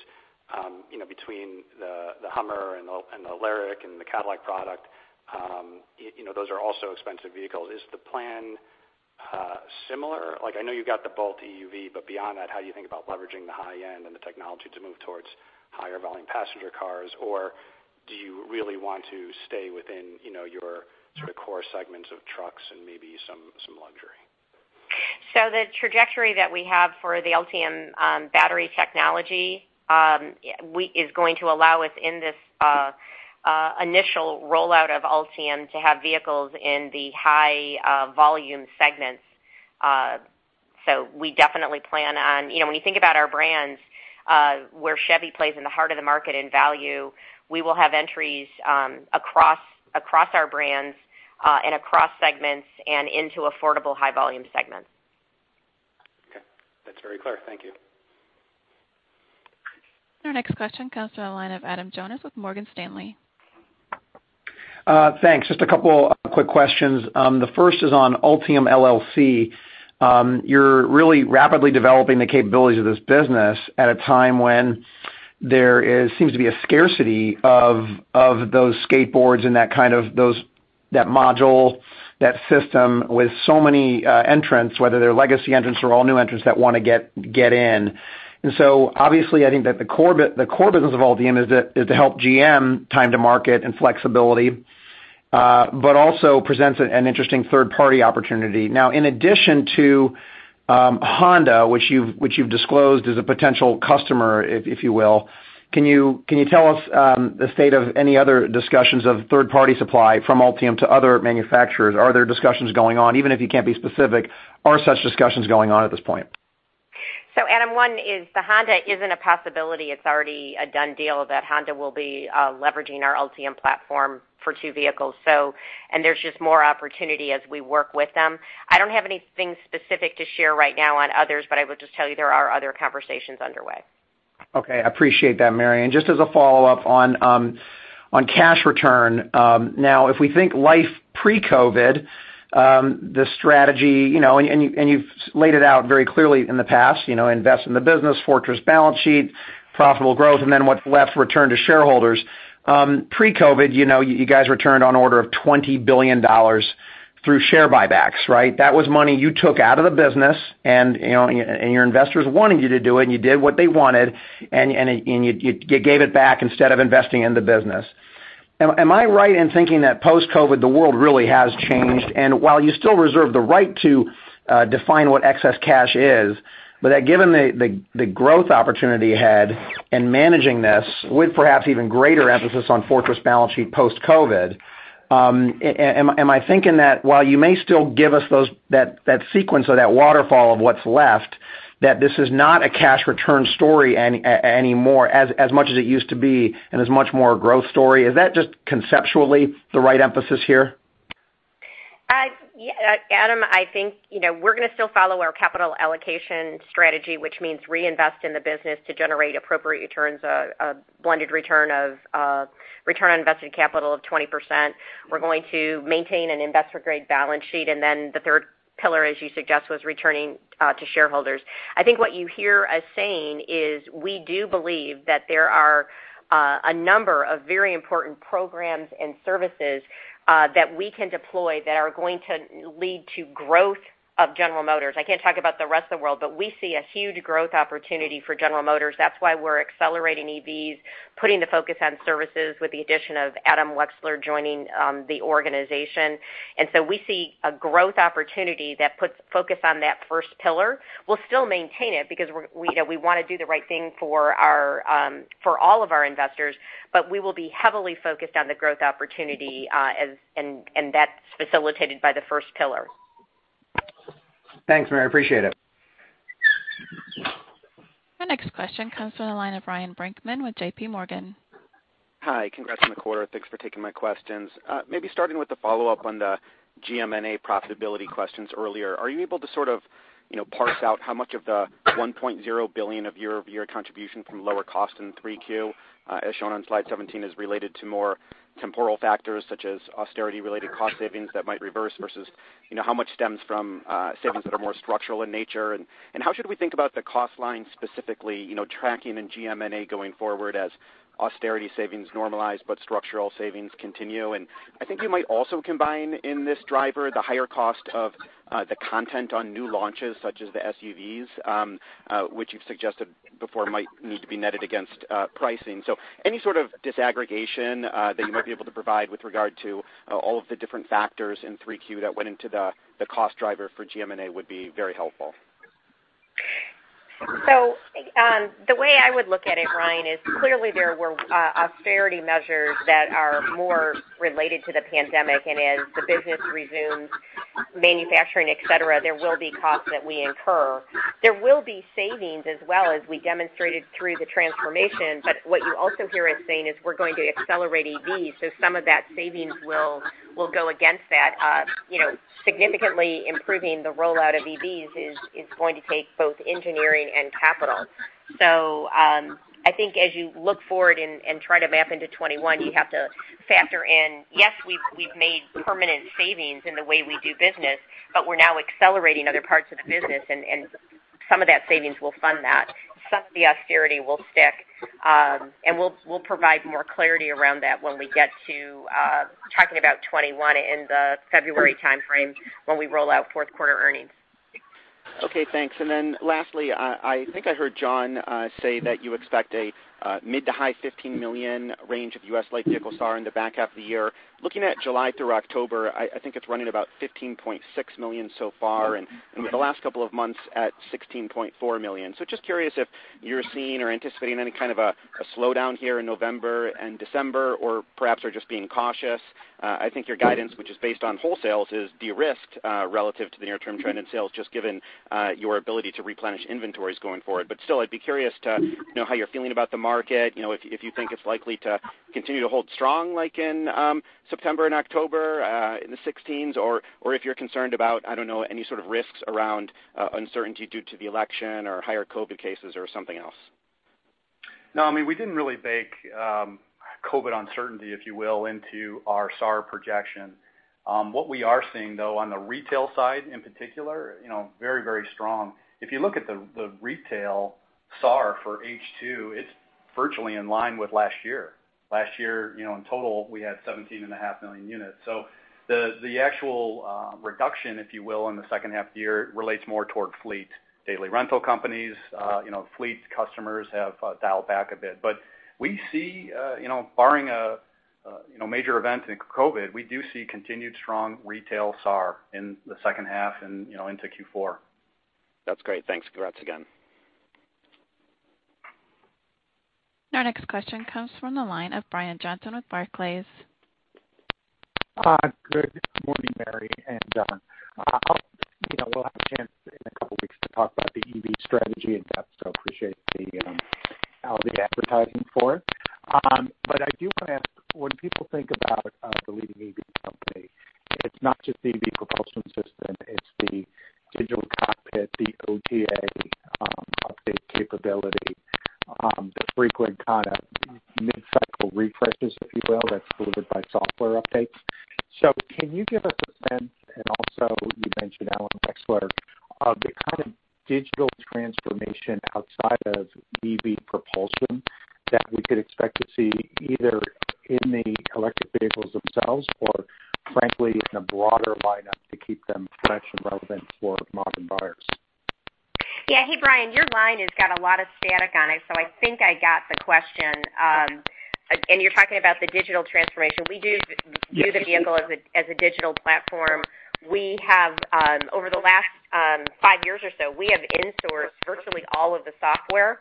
between the HUMMER and the LYRIQ and the Cadillac product, those are also expensive vehicles. Is the plan similar? I know you've got the Bolt EUV, beyond that, how do you think about leveraging the high end and the technology to move towards higher volume passenger cars? Do you really want to stay within your sort of core segments of trucks and maybe some luxury? The trajectory that we have for the Ultium battery technology is going to allow us in this initial rollout of Ultium to have vehicles in the high volume segments. We definitely plan on, when you think about our brands, where Chevy plays in the heart of the market in value, we will have entries across our brands and across segments and into affordable high volume segments. Okay. That's very clear. Thank you. Our next question comes to the line of Adam Jonas with Morgan Stanley. Thanks. Just a couple of quick questions. The first is on Ultium LLC. You're really rapidly developing the capabilities of this business at a time when there seems to be a scarcity of those skateboards and that module, that system with so many entrants, whether they're legacy entrants or all new entrants that want to get in. Obviously, I think that the core business of Ultium is to help GM time to market and flexibility, but also presents an interesting third-party opportunity. Now in addition to Honda, which you've disclosed as a potential customer, if you will, can you tell us the state of any other discussions of third-party supply from Ultium to other manufacturers? Are there discussions going on? Even if you can't be specific, are such discussions going on at this point? Adam, one is the Honda isn't a possibility. It's already a done deal that Honda will be leveraging our Ultium platform for two vehicles. There's just more opportunity as we work with them. I don't have anything specific to share right now on others, but I would just tell you there are other conversations underway. Okay. I appreciate that, Mary. Just as a follow-up on cash return. Now, if we think life pre-COVID, the strategy, and you've laid it out very clearly in the past, invest in the business, fortress balance sheet, profitable growth, and then what's left, return to shareholders. Pre-COVID, you guys returned on order of $20 billion through share buybacks, right? That was money you took out of the business, and your investors wanted you to do it, and you did what they wanted, and you gave it back instead of investing in the business. Am I right in thinking that post-COVID, the world really has changed? While you still reserve the right to define what excess cash is, but that given the growth opportunity you had in managing this with perhaps even greater emphasis on fortress balance sheet post-COVID. Am I thinking that while you may still give us that sequence or that waterfall of what's left, that this is not a cash return story anymore, as much as it used to be, and is much more a growth story? Is that just conceptually the right emphasis here? Adam, I think we're going to still follow our capital allocation strategy, which means reinvest in the business to generate appropriate returns, a blended return on invested capital of 20%. We're going to maintain an investor-grade balance sheet. The third pillar, as you suggest, was returning to shareholders. I think what you hear us saying is we do believe that there are a number of very important programs and services that we can deploy that are going to lead to growth of General Motors. I can't talk about the rest of the world, we see a huge growth opportunity for General Motors. That's why we're accelerating EVs, putting the focus on services with the addition of Alan Wexler joining the organization. We see a growth opportunity that puts focus on that first pillar. We'll still maintain it because we want to do the right thing for all of our investors. We will be heavily focused on the growth opportunity, and that's facilitated by the first pillar. Thanks, Mary. Appreciate it. Our next question comes from the line of Ryan Brinkman with JPMorgan. Hi. Congrats on the quarter. Thanks for taking my questions. Maybe starting with the follow-up on the GMNA profitability questions earlier. Are you able to sort of parse out how much of the $1.0 billion of year-over-year contribution from lower cost in Q3, as shown on slide 17, is related to more temporal factors, such as austerity-related cost savings that might reverse, versus how much stems from savings that are more structural in nature? How should we think about the cost line specifically, tracking in GMNA going forward as austerity savings normalize, but structural savings continue? I think you might also combine in this driver the higher cost of the content on new launches, such as the SUVs, which you've suggested before might need to be netted against pricing. Any sort of disaggregation that you might be able to provide with regard to all of the different factors in Q3 that went into the cost driver for GMNA would be very helpful. The way I would look at it, Ryan, is clearly there were austerity measures that are more related to the pandemic, and as the business resumes manufacturing, et cetera, there will be costs that we incur. There will be savings as well, as we demonstrated through the transformation. What you also hear us saying is we're going to accelerate EVs, so some of that savings will go against that. Significantly improving the rollout of EVs is going to take both engineering and capital. I think as you look forward and try to map into 2021, you have to factor in, yes, we've made permanent savings in the way we do business, but we're now accelerating other parts of the business, and some of that savings will fund that. Some of the austerity will stick. We'll provide more clarity around that when we get to talking about 2021 in the February timeframe when we roll out fourth quarter earnings. Okay, thanks. Lastly, I think I heard John say that you expect a mid to high 15 million range of U.S. light vehicle SAAR in the back half of the year. Looking at July through October, I think it's running about 15.6 million so far, and with the last couple of months at 16.4 million. Just curious if you're seeing or anticipating any kind of a slowdown here in November and December, or perhaps are just being cautious. I think your guidance, which is based on wholesales, is de-risked relative to the near-term trend in sales, just given your ability to replenish inventories going forward. Still, I'd be curious to know how you're feeling about the market, if you think it's likely to continue to hold strong like in September and October, in the 16, or if you're concerned about any sort of risks around uncertainty due to the election or higher COVID cases or something else? No, we didn't really bake COVID uncertainty, if you will, into our SAAR projection. What we are seeing, though, on the retail side in particular, very strong. If you look at the retail SAAR for H2, it's virtually in line with last year. Last year, in total, we had 17.5 million units. The actual reduction, if you will, in the second half of the year relates more towards fleet. Daily rental companies, fleet customers have dialed back a bit. Barring a major event in COVID, we do see continued strong retail SAAR in the second half and into Q4. That's great. Thanks. Congrats again. Our next question comes from the line of Brian Johnson with Barclays. Good morning, Mary and John. We'll have a chance in a couple of weeks to talk about the EV strategy in depth, appreciate all the advertising for it. I do want to ask, when people think about the leading EV company, it's not just the EV propulsion system, it's the digital cockpit, the OTA update capability, the frequent kind of mid-cycle refreshes, if you will, that's delivered by software updates. Can you give us a sense, and also you mentioned Alan Wexler, the kind of digital transformation outside of EV propulsion that we could expect to see either in the electric vehicles themselves or frankly, in a broader lineup to keep them fresh and relevant for modern buyers? Yeah. Hey, Brian. Your line has got a lot of static on it, so I think I got the question. You're talking about the digital transformation. Yes. View the vehicle as a digital platform. We have, over the last five years or so, we have insourced virtually all of the software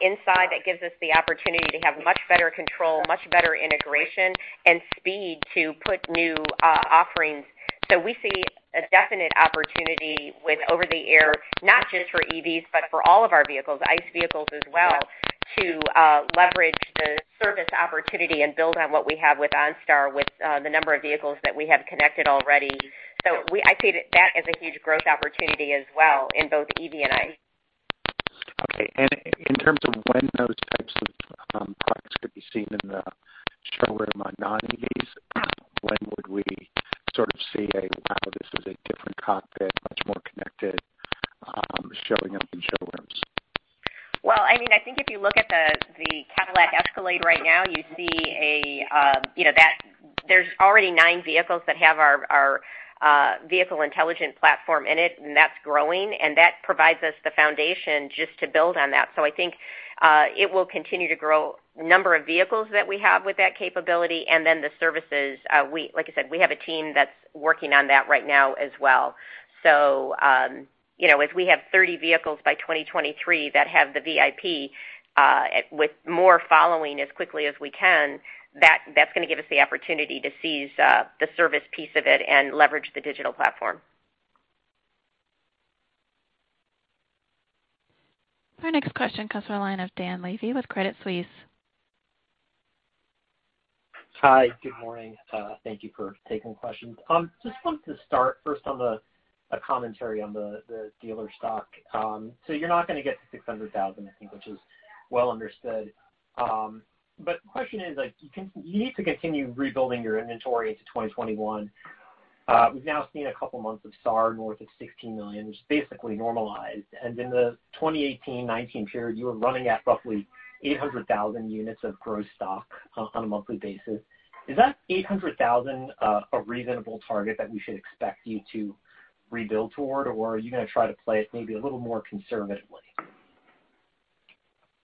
inside. That gives us the opportunity to have much better control, much better integration, and speed to put new offerings. We see a definite opportunity with over-the-air, not just for EVs, but for all of our vehicles, ICE vehicles as well, to leverage the service opportunity and build on what we have with OnStar, with the number of vehicles that we have connected already. I see that as a huge growth opportunity as well in both EV and ICE. Okay. In terms of when those types of products could be seen in the showroom on non-EVs, when would we sort of see a, wow, this is a different cockpit, much more connected, showing up in showrooms? I think if you look at the Cadillac Escalade right now, there's already nine vehicles that have our Vehicle Intelligence Platform in it, and that's growing. That provides us the foundation just to build on that. I think it will continue to grow the number of vehicles that we have with that capability, and then the services. Like I said, we have a team that's working on that right now as well. If we have 30 vehicles by 2023 that have the VIP with more following as quickly as we can, that's going to give us the opportunity to seize the service piece of it and leverage the digital platform. Our next question comes from the line of Dan Levy with Credit Suisse. Hi. Good morning. Thank you for taking questions. Just wanted to start first on the commentary on the dealer stock. You're not going to get to 600,000, I think, which is well understood. The question is, you need to continue rebuilding your inventory into 2021. We've now seen a couple of months of SAAR north of 16 million, which is basically normalized. In the 2018-2019 period, you were running at roughly 800,000 units of gross stock on a monthly basis. Is that 800,000 a reasonable target that we should expect you to rebuild toward? Or are you going to try to play it maybe a little more conservatively?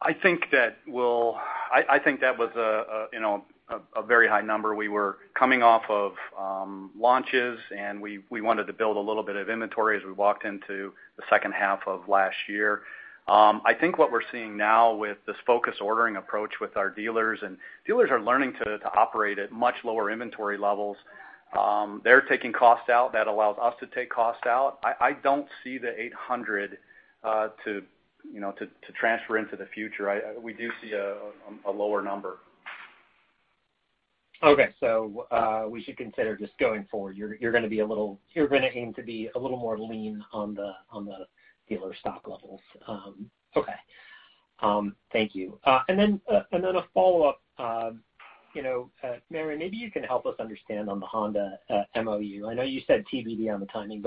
I think that was a very high number. We were coming off of launches, and we wanted to build a little bit of inventory as we walked into the second half of last year. I think what we're seeing now with this focused ordering approach with our dealers, and dealers are learning to operate at much lower inventory levels. They're taking costs out. That allows us to take costs out. I don't see the 800 to transfer into the future. We do see a lower number. Okay. We should consider just going forward, you're going to aim to be a little more lean on the dealer stock levels. Okay. Thank you. A follow-up. Mary, maybe you can help us understand on the Honda MOU. I know you said TBD on the timing,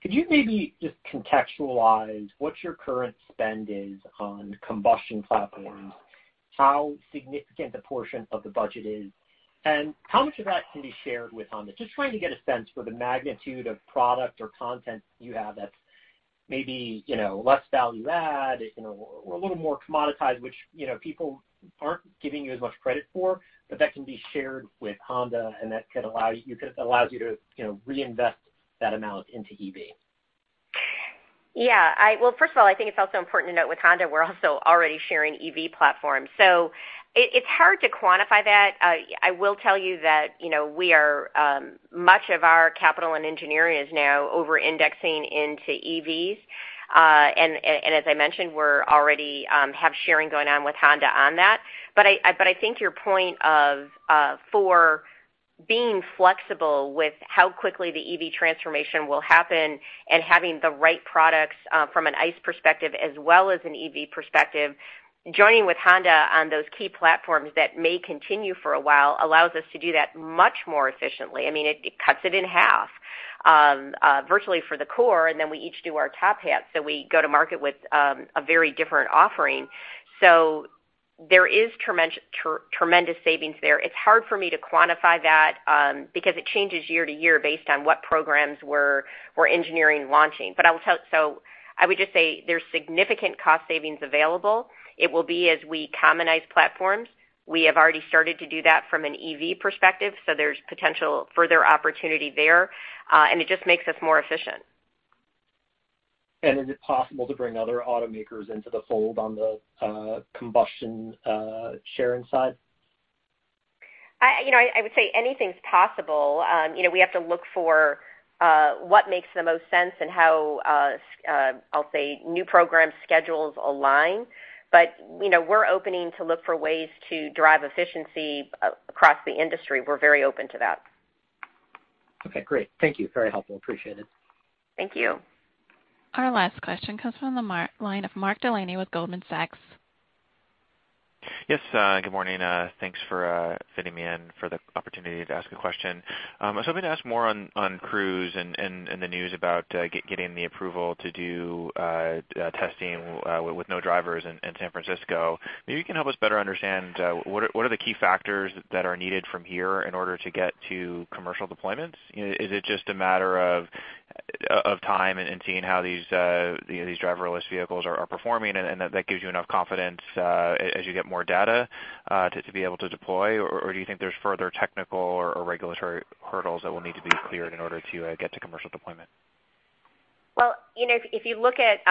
could you maybe just contextualize what your current spend is on combustion platforms, how significant the portion of the budget is, and how much of that can be shared with Honda? Just trying to get a sense for the magnitude of product or content you have that's maybe less value add, or a little more commoditized, which people aren't giving you as much credit for, but that can be shared with Honda, and that allows you to reinvest that amount into EV. Well, first of all, I think it's also important to note with Honda, we're also already sharing EV platforms. It's hard to quantify that. I will tell you that much of our capital and engineering is now over-indexing into EVs. As I mentioned, we already have sharing going on with Honda on that. I think your point of for being flexible with how quickly the EV transformation will happen and having the right products from an ICE perspective as well as an EV perspective, joining with Honda on those key platforms that may continue for a while allows us to do that much more efficiently. It cuts it in half, virtually for the core, and then we each do our top hats. We go to market with a very different offering. There is tremendous savings there. It's hard for me to quantify that because it changes year to year based on what programs we're engineering and launching. I would just say there's significant cost savings available. It will be as we commonize platforms. We have already started to do that from an EV perspective, so there's potential further opportunity there, and it just makes us more efficient. Is it possible to bring other automakers into the fold on the combustion sharing side? I would say anything's possible. We have to look for what makes the most sense and how, I'll say, new program schedules align. We're opening to look for ways to drive efficiency across the industry. We're very open to that. Okay, great. Thank you. Very helpful. Appreciate it. Thank you. Our last question comes from the line of Mark Delaney with Goldman Sachs. Yes. Good morning. Thanks for fitting me in for the opportunity to ask a question. I was hoping to ask more on Cruise and the news about getting the approval to do testing with no drivers in San Francisco. You can help us better understand what are the key factors that are needed from here in order to get to commercial deployments. Is it just a matter of time and seeing how these driverless vehicles are performing, and that gives you enough confidence as you get more data to be able to deploy? Do you think there's further technical or regulatory hurdles that will need to be cleared in order to get to commercial deployment? Well, if you look at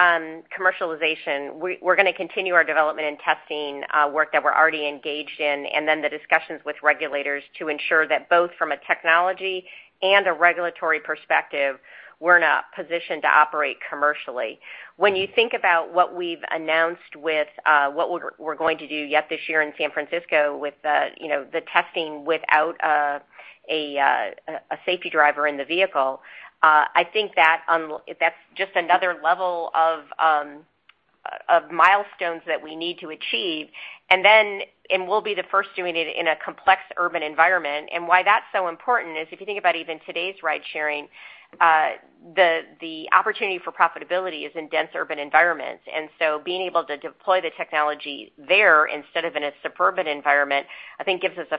commercialization, we're going to continue our development and testing work that we're already engaged in, and then the discussions with regulators to ensure that both from a technology and a regulatory perspective, we're in a position to operate commercially. When you think about what we've announced with what we're going to do yet this year in San Francisco with the testing without a safety driver in the vehicle, I think that's just another level of milestones that we need to achieve. We'll be the first doing it in a complex urban environment. Why that's so important is if you think about even today's ride-sharing, the opportunity for profitability is in dense urban environments. Being able to deploy the technology there instead of in a suburban environment, I think gives us a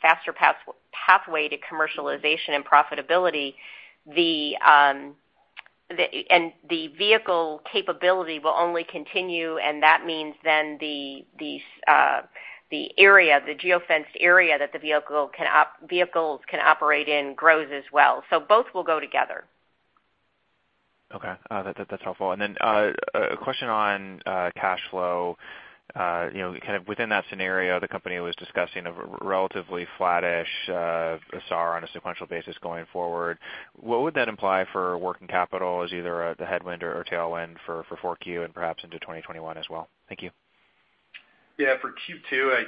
faster pathway to commercialization and profitability. The vehicle capability will only continue, and that means then the geo-fence area that the vehicles can operate in grows as well. Both will go together. Okay. That's helpful. A question on cash flow. Kind of within that scenario, the company was discussing a relatively flat-ish SAAR on a sequential basis going forward. What would that imply for working capital as either the headwind or tailwind for 4Q and perhaps into 2021 as well? Thank you. Yeah, for Q2,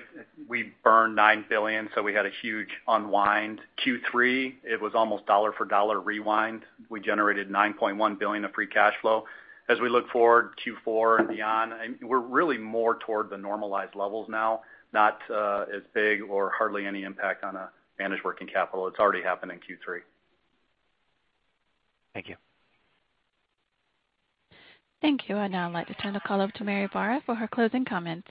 we burned $9 billion, so we had a huge unwind. Q3, it was almost dollar for dollar rewind. We generated $9.1 billion of free cash flow. As we look forward, Q4 and beyond, we're really more toward the normalized levels now, not as big or hardly any impact on our managed working capital. It's already happened in Q3. Thank you. Thank you. I'd now like to turn the call over to Mary Barra for her closing comments.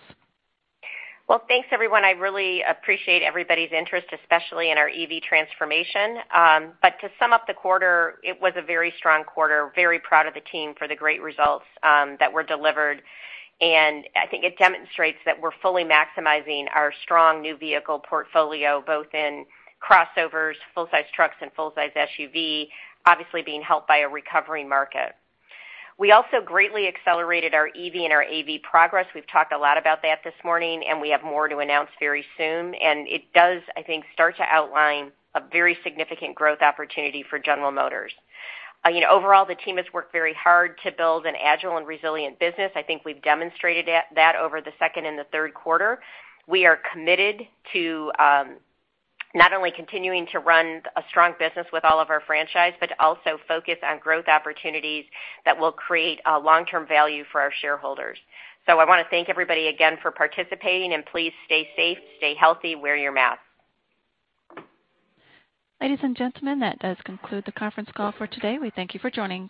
Well, thanks, everyone. I really appreciate everybody's interest, especially in our EV transformation. To sum up the quarter, it was a very strong quarter. Very proud of the team for the great results that were delivered, and I think it demonstrates that we're fully maximizing our strong new vehicle portfolio, both in crossovers, full-size trucks and full-size SUV, obviously being helped by a recovery market. We also greatly accelerated our EV and our AV progress. We've talked a lot about that this morning, and we have more to announce very soon, and it does, I think, start to outline a very significant growth opportunity for General Motors. Overall, the team has worked very hard to build an agile and resilient business. I think we've demonstrated that over the second and the third quarter. We are committed to not only continuing to run a strong business with all of our franchise, but also focus on growth opportunities that will create long-term value for our shareholders. I want to thank everybody again for participating, and please stay safe, stay healthy, wear your mask. Ladies and gentlemen, that does conclude the conference call for today. We thank you for joining.